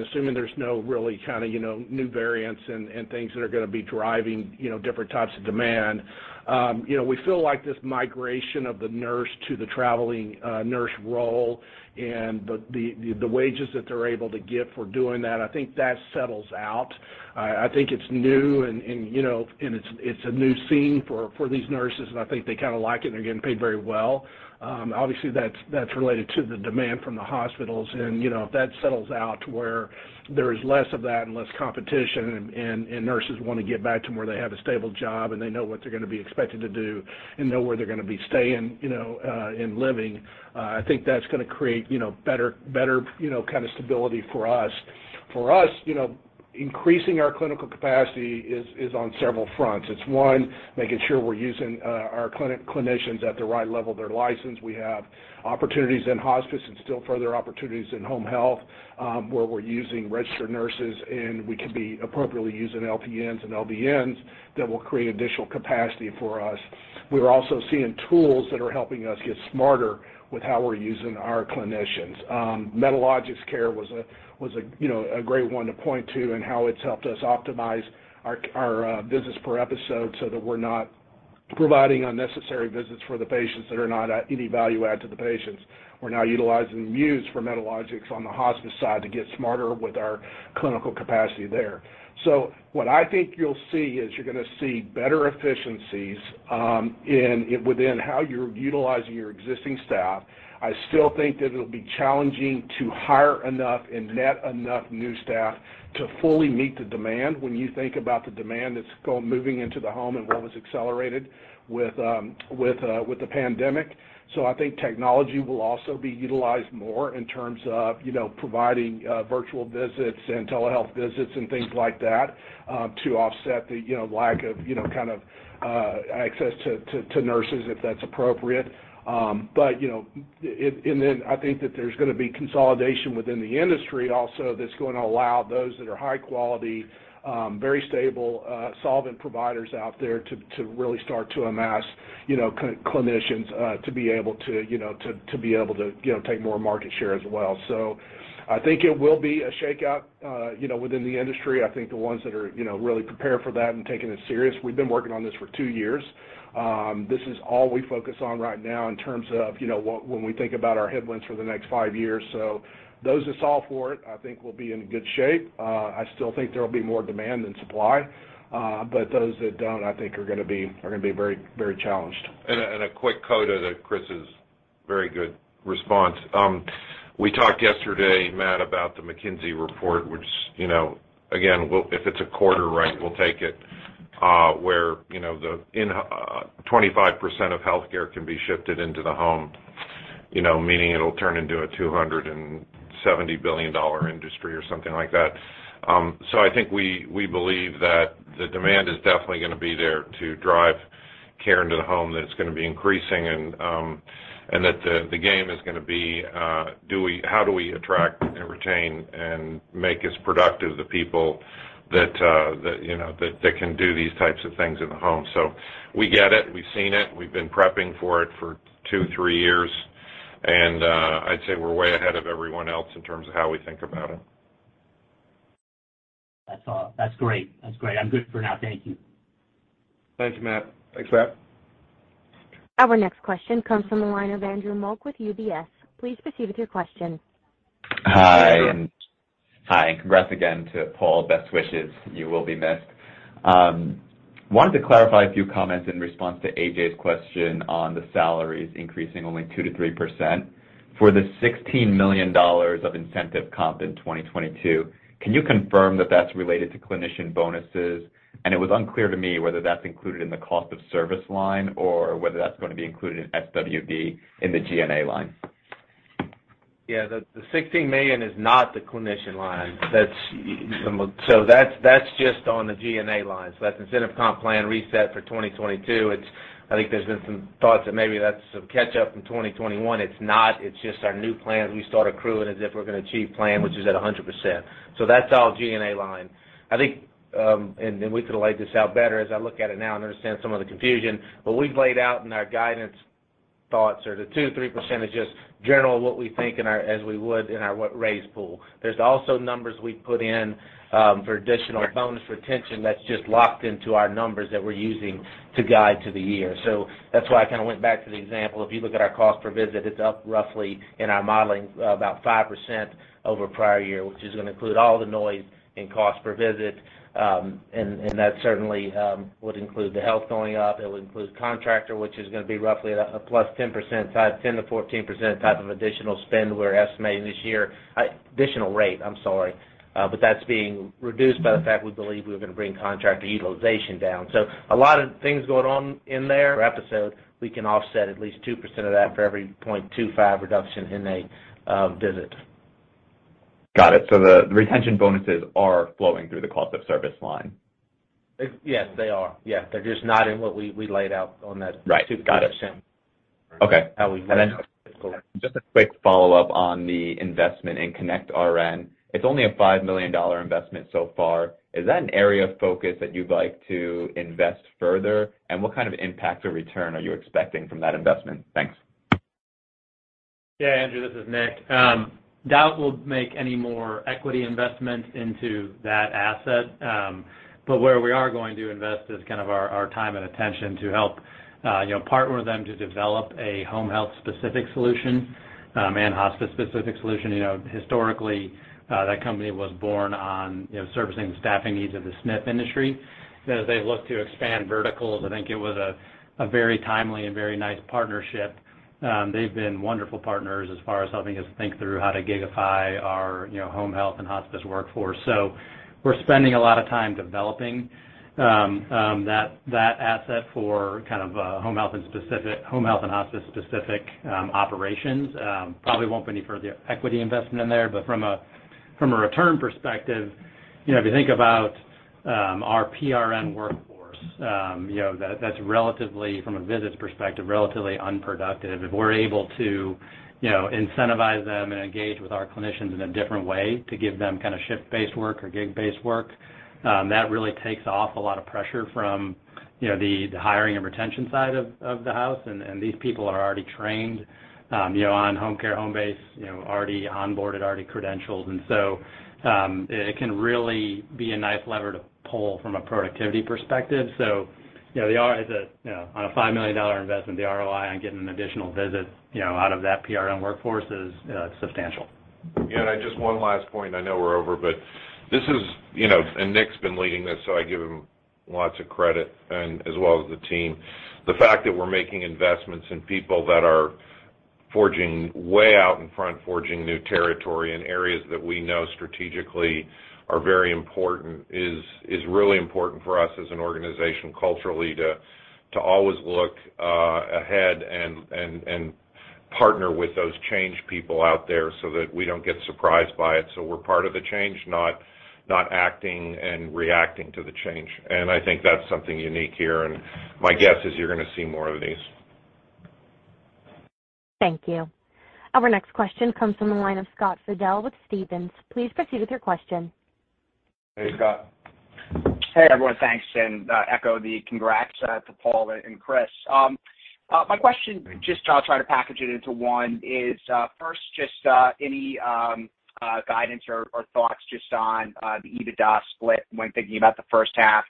assuming there's no really kinda, you know, new variants and things that are gonna be driving, you know, different types of demand, you know, we feel like this migration of the nurse to the traveling nurse role and the wages that they're able to get for doing that, I think that settles out. I think it's new and, you know, it's a new scene for these nurses, and I think they kinda like it, and they're getting paid very well. Obviously, that's related to the demand from the hospitals. You know, if that settles out to where there's less of that and less competition and nurses wanna get back to where they have a stable job and they know what they're gonna be expected to do and know where they're gonna be staying, you know, and living, I think that's gonna create, you know, better kinda stability for us. For us, you know, increasing our clinical capacity is on several fronts. It's one, making sure we're using our clinicians at the right level of their license. We have opportunities in hospice and still further opportunities in home health, where we're using registered nurses, and we could be appropriately using LPNs and LVNs that will create additional capacity for us. We're also seeing tools that are helping us get smarter with how we're using our clinicians. Medalogix Care was a, you know, a great one to point to in how it's helped us optimize our visits per episode, so that we're not providing unnecessary visits for the patients that are not any value add to the patients. We're now utilizing Medalogix Muse on the hospice side to get smarter with our clinical capacity there. What I think you'll see is you're gonna see better efficiencies within how you're utilizing your existing staff. I still think that it'll be challenging to hire enough and net enough new staff to fully meet the demand when you think about the demand that's moving into the home and what was accelerated with the pandemic. I think technology will also be utilized more in terms of you know providing virtual visits and telehealth visits and things like that to offset the you know lack of you know kind of access to nurses if that's appropriate. I think that there's gonna be consolidation within the industry also that's gonna allow those that are high quality, very stable, solvent providers out there to really start to amass, you know, clinicians, to be able to, you know, take more market share as well. I think it will be a shakeout, you know, within the industry. I think the ones that are, you know, really prepared for that and taking it serious, we've been working on this for two years. This is all we focus on right now in terms of, you know, when we think about our headwinds for the next five years. So those that solve for it, I think will be in good shape. I still think there'll be more demand than supply. Those that don't, I think are gonna be very, very challenged. A quick coda to Chris's very good response. We talked yesterday, Matt, about the McKinsey report, which, you know, again, if it's a quarter right, we'll take it, where, you know, the 25% of healthcare can be shifted into the home. You know, meaning it'll turn into a $270 billion industry or something like that. I think we believe that the demand is definitely gonna be there to drive care into the home, that it's gonna be increasing and that the game is gonna be how do we attract and retain and make as productive the people that can do these types of things in the home. We get it. We've seen it. We've been prepping for it for two, three years. I'd say we're way ahead of everyone else in terms of how we think about it. That's all. That's great. I'm good for now. Thank you. Thanks, Matt. Thanks, Matt. Our next question comes from the line of Andrew Mok with UBS. Please proceed with your question. Hi. Hi, and congrats again to Paul. Best wishes. You will be missed. Wanted to clarify a few comments in response to A.J.'s question on the salaries increasing only 2%-3%. For the $16 million of incentive comp in 2022, can you confirm that that's related to clinician bonuses? It was unclear to me whether that's included in the cost of service line or whether that's gonna be included in SWB in the G&A line. Yeah. The $16 million is not the clinician line. That's just on the G&A line. That's incentive comp plan reset for 2022. I think there's been some thoughts that maybe that's some catch up from 2021. It's not. It's just our new plan. We start accruing as if we're gonna achieve plan, which is at 100%. That's all G&A line. I think, and we could have laid this out better as I look at it now and understand some of the confusion. What we've laid out in our guidance thoughts are the 2%-3% is just general what we think in our wage raise pool. There's also numbers we put in for additional bonus retention that's just locked into our numbers that we're using to guide to the year. That's why I kinda went back to the example. If you look at our cost per visit, it's up roughly in our modeling about 5% over prior year, which is gonna include all the noise in cost per visit. That certainly would include the health going up. It would include contractor, which is gonna be roughly a plus 10% type, 10%-14% type of additional rate we're estimating this year. That's being reduced by the fact we believe we're gonna bring contractor utilization down. A lot of things going on in the episode, we can offset at least 2% of that for every 0.25 reduction in a visit. Got it. The retention bonuses are flowing through the cost of service line. Yes, they are. Yes. They're just not in what we laid out on that. Right. Got it. 2%. Okay. How we Just a quick follow-up on the investment in connectRN. It's only a $5 million investment so far. Is that an area of focus that you'd like to invest further? And what kind of impact or return are you expecting from that investment? Thanks. Yeah, Andrew, this is Nick. Doubt we'll make any more equity investments into that asset. But where we are going to invest is kind of our time and attention to help, you know, partner with them to develop a home health specific solution, and hospice specific solution. You know, historically, that company was born on, you know, servicing the staffing needs of the SNF industry. As they've looked to expand verticals, I think it was a very timely and very nice partnership. They've been wonderful partners as far as helping us think through how to gigify our, you know, home health and hospice workforce. So we're spending a lot of time developing that asset for kind of home health and hospice specific operations. Probably won't be any further equity investment in there. From a return perspective, you know, if you think about our PRN workforce, you know, that's relatively, from a visits perspective, relatively unproductive. If we're able to, you know, incentivize them and engage with our clinicians in a different way to give them kinda shift-based work or gig-based work, that really takes off a lot of pressure from, you know, the hiring and retention side of the house. These people are already trained, you know, on home care, home-based, you know, already onboarded, already credentialed. It can really be a nice lever to pull from a productivity perspective. You know, the ROI is on a $5 million investment, the ROI on getting an additional visit, you know, out of that PRN workforce is substantial. Yeah, just one last point. I know we're over, but this is, you know, and Nick's been leading this, so I give him lots of credit and as well as the team. The fact that we're making investments in people that are forging way out in front, forging new territory in areas that we know strategically are very important is really important for us as an organization culturally to always look ahead and partner with those change people out there so that we don't get surprised by it. We're part of the change, not acting and reacting to the change. I think that's something unique here. My guess is you're gonna see more of these. Thank you. Our next question comes from the line of Scott Fidel with Stephens. Please proceed with your question. Hey, Scott. Hey, everyone. Thanks. Echo the congrats to Paul and Chris. My question, just I'll try to package it into one, is, first, just, any guidance or thoughts just on the EBITDA split when thinking about the H1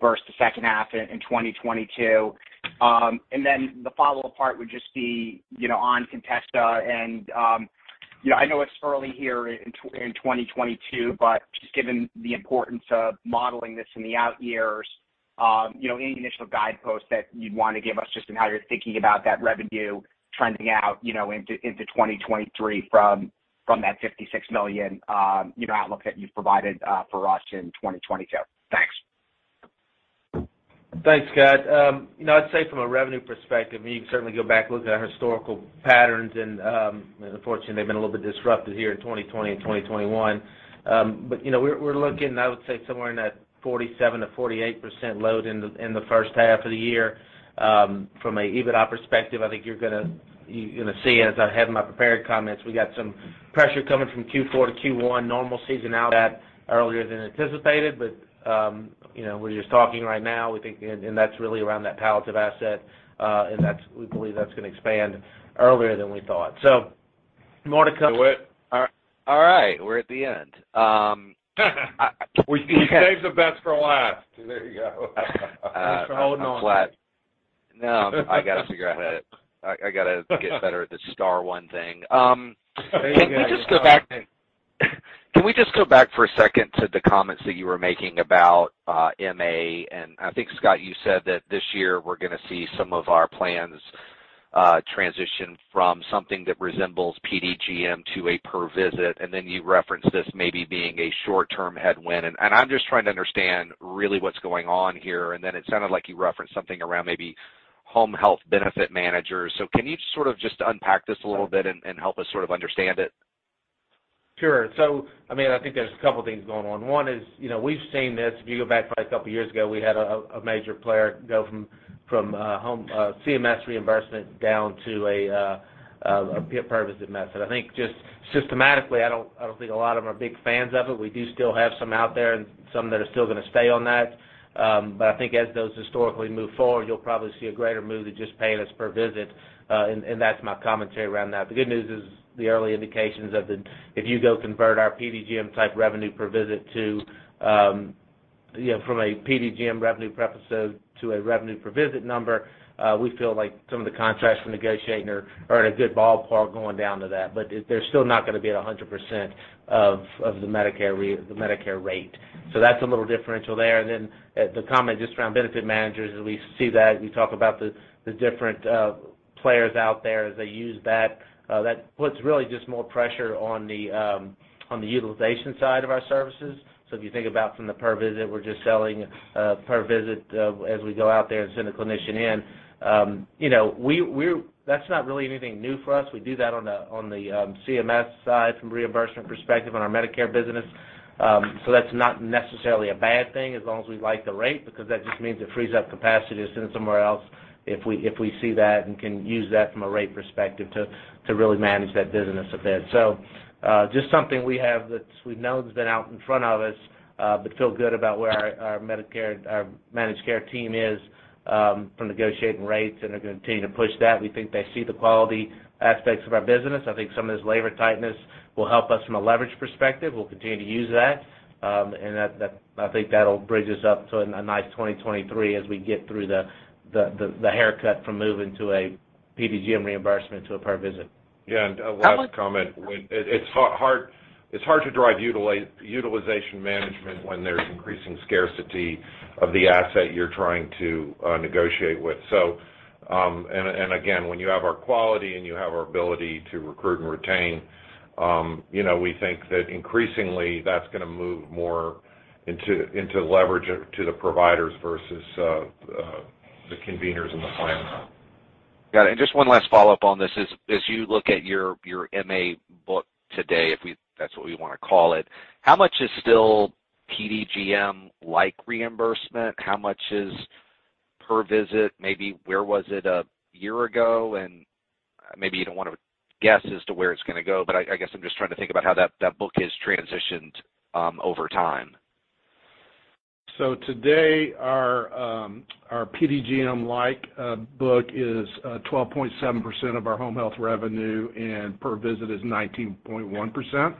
versus the H2 in 2022. Then the follow-up part would just be, you know, on Contessa and, you know, I know it's early here in 2022, but just given the importance of modeling this in the out years, you know, any initial guideposts that you'd wanna give us just in how you're thinking about that revenue trending out, you know, into 2023 from that $56 million, you know, outlook that you've provided for us in 2022. Thanks. Thanks, Scott. You know, I'd say from a revenue perspective, you can certainly go back and look at our historical patterns. Unfortunately, they've been a little bit disrupted here in 2020 and 2021. You know, we're looking, I would say, somewhere in that 47%-48% load in the H1 of the year. From an EBITDA perspective, I think you're gonna see, as I had in my prepared comments, we got some pressure coming from Q4 to Q1, normal seasonality hit earlier than anticipated. You know, we're just talking right now. We think, and that's really around that palliative asset. We believe that's gonna expand earlier than we thought. More to come. DeWitt? All right. We're at the end. We saved the best for last. There you go. Thanks for holding on. No, I gotta get better at the star one thing. Can we just go back. There you go. Can we just go back for a second to the comments that you were making about MA? I think, Scott, you said that this year we're gonna see some of our plans transition from something that resembles PDGM to a per visit. You referenced this maybe being a short-term headwind. I'm just trying to understand really what's going on here. It sounded like you referenced something around maybe home health benefit managers. Can you sort of just unpack this a little bit and help us sort of understand it? I mean, I think there's a couple things going on. One is, you know, we've seen this. If you go back probably a couple years ago, we had a major player go from home CMS reimbursement down to a per-visit method. I think just systematically, I don't think a lot of them are big fans of it. We do still have some out there and some that are still gonna stay on that. I think as those historically move forward, you'll probably see a greater move to just paying us per visit. That's my commentary around that. The good news is the early indications of the if you go convert our PDGM-type revenue per visit to, from a PDGM revenue per episode to a revenue per visit number, we feel like some of the contracts we're negotiating are in a good ballpark going down to that. They're still not gonna be at 100% of the Medicare rate. That's a little differential there. The comment just around benefit managers is we see that, you talk about the different players out there as they use that puts really just more pressure on the utilization side of our services. If you think about from the per-visit, we're just selling per-visit as we go out there and send a clinician in. You know, that's not really anything new for us. We do that on the CMS side from reimbursement perspective on our Medicare business. That's not necessarily a bad thing as long as we like the rate, because that just means it frees up capacity to send somewhere else if we see that and can use that from a rate perspective to really manage that business a bit. Just something we have that we've known has been out in front of us, but feel good about where our Medicare, our managed care team is from negotiating rates, and they're gonna continue to push that. We think they see the quality aspects of our business. I think some of this labor tightness will help us from a leverage perspective. We'll continue to use that. I think that'll bridge us up to a nice 2023 as we get through the haircut from moving to a PDGM reimbursement to a per-visit. Yeah. A last comment. It's hard to drive utilization management when there's increasing scarcity of the asset you're trying to negotiate with. Again, when you have our quality and you have our ability to recruit and retain, you know, we think that increasingly that's gonna move more into leverage to the providers versus the conveners and the plans. Got it. Just one last follow-up on this is, as you look at your MA book today, that's what we wanna call it, how much is still PDGM-like reimbursement? How much is per-visit? Maybe where was it a year ago? Maybe you don't wanna guess as to where it's gonna go, but I guess I'm just trying to think about how that book has transitioned over time. Today, our PDGM-like book is 12.7% of our home health revenue, and per-visit is 19.1%.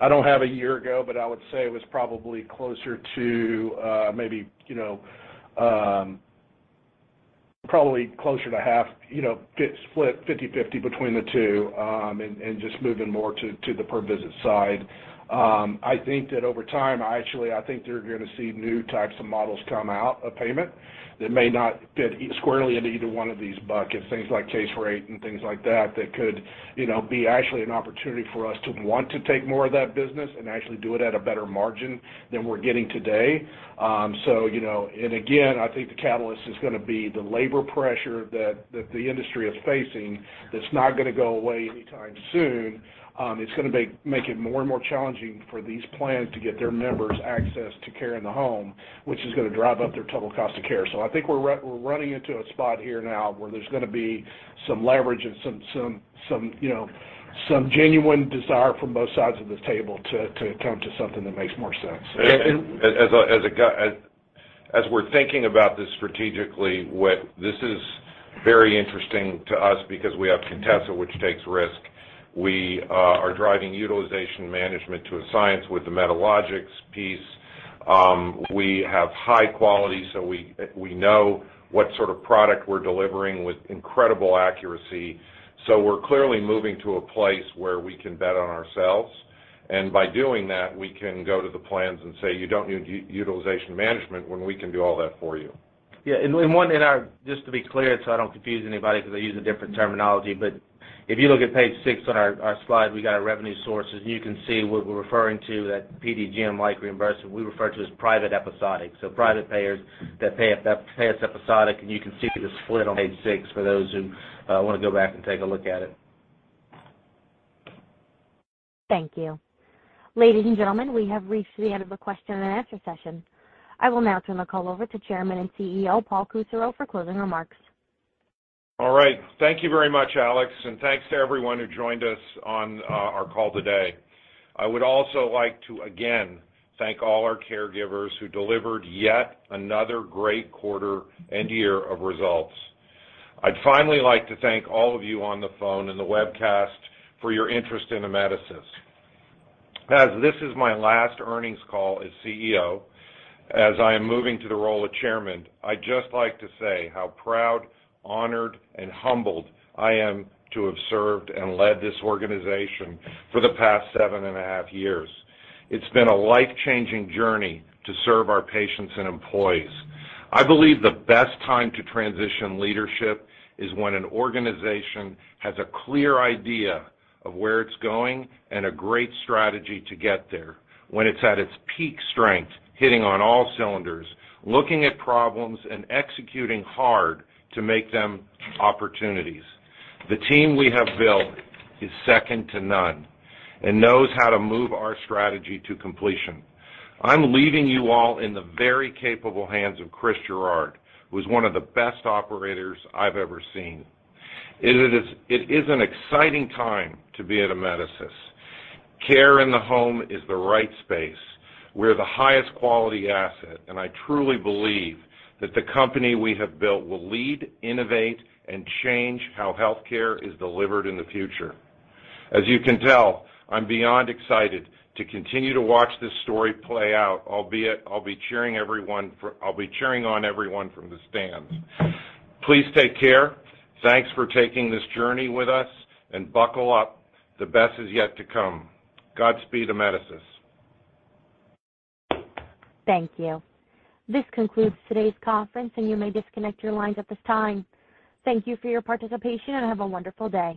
I don't have a year ago, but I would say it was probably closer to maybe, you know, probably closer to half, you know, split 50/50 between the two, and just moving more to the per-visit side. I think that over time, actually, I think you're gonna see new types of models come out of payment that may not fit squarely into either one of these buckets, things like case rate and things like that could, you know, be actually an opportunity for us to want to take more of that business and actually do it at a better margin than we're getting today. I think the catalyst is gonna be the labor pressure that the industry is facing that's not gonna go away anytime soon. It's gonna make it more and more challenging for these plans to get their members access to care in the home, which is gonna drive up their total cost of care. I think we're running into a spot here now where there's gonna be some leverage and some, you know, some genuine desire from both sides of the table to come to something that makes more sense. And, and- As we're thinking about this strategically, this is very interesting to us because we have Contessa, which takes risk. We are driving utilization management to a science with the Medalogix piece. We have high quality, so we know what sort of product we're delivering with incredible accuracy. We're clearly moving to a place where we can bet on ourselves. By doing that, we can go to the plans and say, "You don't need utilization management when we can do all that for you. Yeah. Just to be clear, so I don't confuse anybody because I use a different terminology, but if you look at page six on our slide, we got our revenue sources, and you can see what we're referring to, that PDGM-like reimbursement, we refer to as private episodic. Private payers that pay us episodic, and you can see the split on page six for those who wanna go back and take a look at it. Thank you. Ladies and gentlemen, we have reached the end of the question and answer session. I will now turn the call over to Chairman and CEO, Paul Kusserow, for closing remarks. All right. Thank you very much, Alex, and thanks to everyone who joined us on our call today. I would also like to again thank all our caregivers who delivered yet another great quarter and year of results. I'd finally like to thank all of you on the phone and the webcast for your interest in Amedisys. As this is my last earnings call as CEO, as I am moving to the role of Chairman, I'd just like to say how proud, honored, and humbled I am to have served and led this organization for the past seven and a half years. It's been a life-changing journey to serve our patients and employees. I believe the best time to transition leadership is when an organization has a clear idea of where it's going and a great strategy to get there, when it's at its peak strength, hitting on all cylinders, looking at problems and executing hard to make them opportunities. The team we have built is second to none and knows how to move our strategy to completion. I'm leaving you all in the very capable hands of Chris Gerard, who's one of the best operators I've ever seen. It is an exciting time to be at Amedisys. Care in the home is the right space. We're the highest quality asset, and I truly believe that the company we have built will lead, innovate, and change how healthcare is delivered in the future. As you can tell, I'm beyond excited to continue to watch this story play out, albeit I'll be cheering on everyone from the stands. Please take care. Thanks for taking this journey with us, and buckle up. The best is yet to come. Godspeed, Amedisys. Thank you. This concludes today's conference, and you may disconnect your lines at this time. Thank you for your participation, and have a wonderful day.